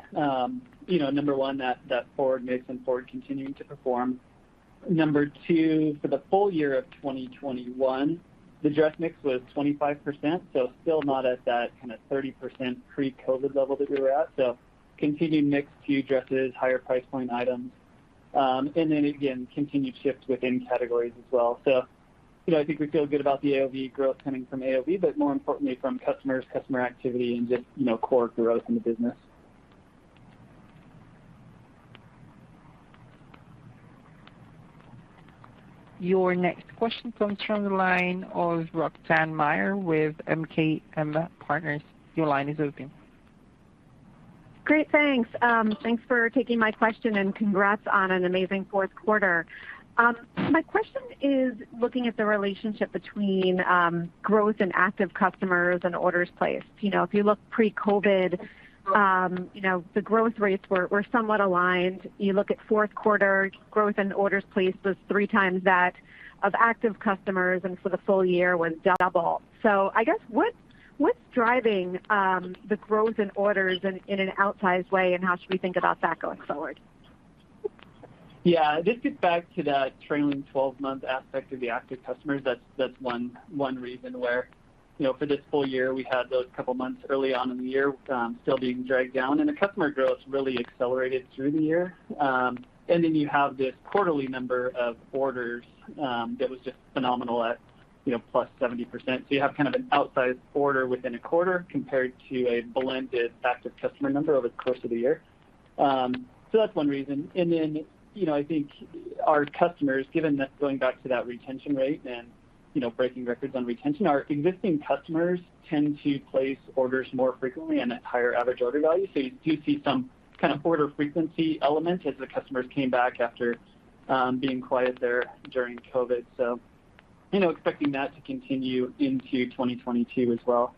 E: You know, number one, that forward mix and forward continuing to perform. Number two, for the full year of 2021, the dress mix was 25%, so still not at that kinda 30% pre-COVID level that we were at. Continued mix to dresses, higher price point items. And then again, continued shift within categories as well. You know, I think we feel good about the AOV growth coming from AOV, but more importantly from customers, customer activity and just core growth in the business.
A: Your next question comes from the line of Roxanne Meyer with MKM Partners. Your line is open.
P: Great. Thanks. Thanks for taking my question, and congrats on an amazing fourth quarter. My question is looking at the relationship between growth in active customers and orders placed. You know, if you look pre-COVID, you know, the growth rates were somewhat aligned. You look at fourth quarter growth and orders placed was three times that of active customers, and for the full year was double. I guess, what's driving the growth in orders in an outsized way, and how should we think about that going forward?
E: Yeah. This gets back to the trailing twelve-month aspect of the active customers. That's one reason where, you know, for this full year, we had those couple months early on in the year still being dragged down, and the customer growth really accelerated through the year. You have this quarterly number of orders that was just phenomenal at, you know, +70%. You have kind of an outsized order within a quarter compared to a blended active customer number over the course of the year. That's one reason. You know, I think our customers, given that, going back to that retention rate and, you know, breaking records on retention, our existing customers tend to place orders more frequently and at higher average order value. You do see some kind of order frequency element as the customers came back after, being quiet there during COVID. You know, expecting that to continue into 2022 as well.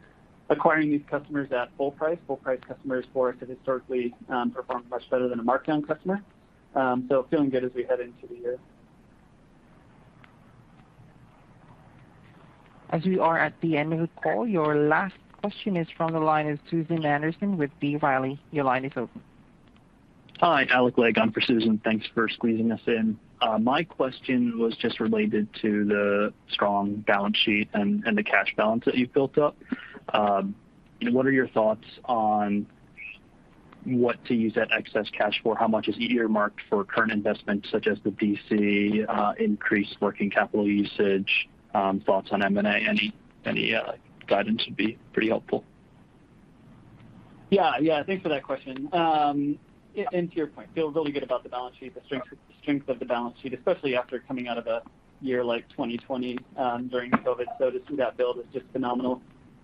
E: Acquiring these customers at full price. Full price customers for us have historically performed much better than a markdown customer. Feeling good as we head into the year.
A: As we are at the end of the call, your last question is from the line of Susan Anderson with B. Riley. Your line is open.
Q: Hi, Alec Legg on for Susan. Thanks for squeezing us in. My question was just related to the strong balance sheet and the cash balance that you've built up. What are your thoughts on what to use that excess cash for? How much is earmarked for current investments such as the DC, increased working capital usage, thoughts on M&A? Any guidance would be pretty helpful.
E: Yeah. Yeah. Thanks for that question. To your point, we feel really good about the balance sheet, the strength of the balance sheet, especially after coming out of a year like 2020, during COVID. To see that build is just phenomenal.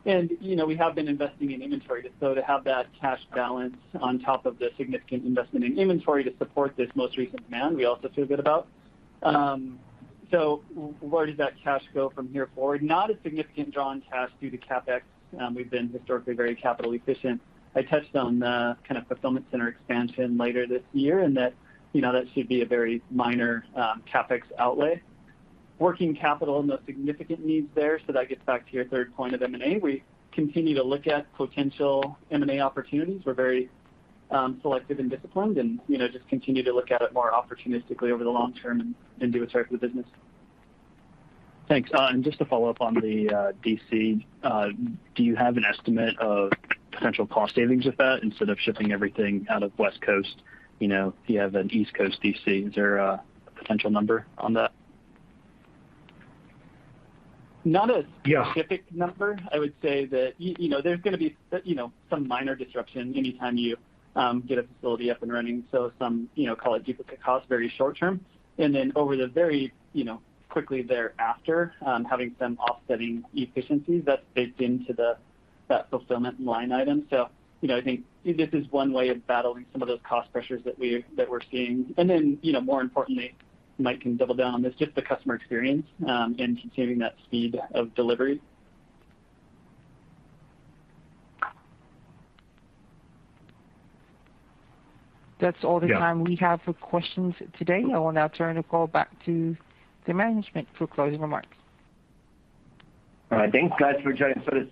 E: You know, we have been investing in inventory, so to have that cash balance on top of the significant investment in inventory to support this most recent demand, we also feel good about. Where does that cash go from here forward? Not a significant draw on cash due to CapEx. We've been historically very capital efficient. I touched on the kind of fulfillment center expansion later this year, and that should be a very minor CapEx outlay. Working capital, no significant needs there, so that gets back to your third point of M&A. We continue to look at potential M&A opportunities. We're very selective and disciplined and, you know, just continue to look at it more opportunistically over the long term and do what's right for the business.
Q: Thanks. Just to follow up on the DC, do you have an estimate of potential cost savings with that instead of shipping everything out of West Coast? You know, if you have an East Coast DC, is there a potential number on that?
E: Not a-
Q: Yeah
E: Specific number. I would say that you know, there's gonna be, you know, some minor disruption anytime you get a facility up and running. Some, you know, call it duplicate costs, very short term. Then over the very, you know, quickly thereafter, having some offsetting efficiencies, that's baked into the that fulfillment line item. You know, I think this is one way of battling some of those cost pressures that we're seeing. Then, you know, more importantly, Mike can double down on this, just the customer experience, and continuing that speed of delivery.
A: That's all the time we have for questions today. I will now turn the call back to the management for closing remarks.
C: All right. Thanks, guys, for joining for this,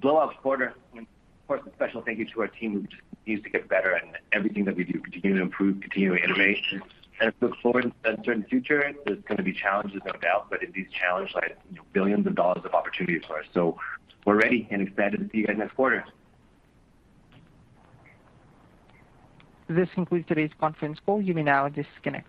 C: blowout quarter. Of course, a special thank you to our team, which continues to get better in everything that we do, continue to improve, continue to innovate, and look forward to a certain future. There's gonna be challenges, no doubt, but in these challenges like, you know, billions of dollars of opportunities for us. We're ready and excited to see you guys' next quarter.
A: This concludes today's conference call. You may now disconnect.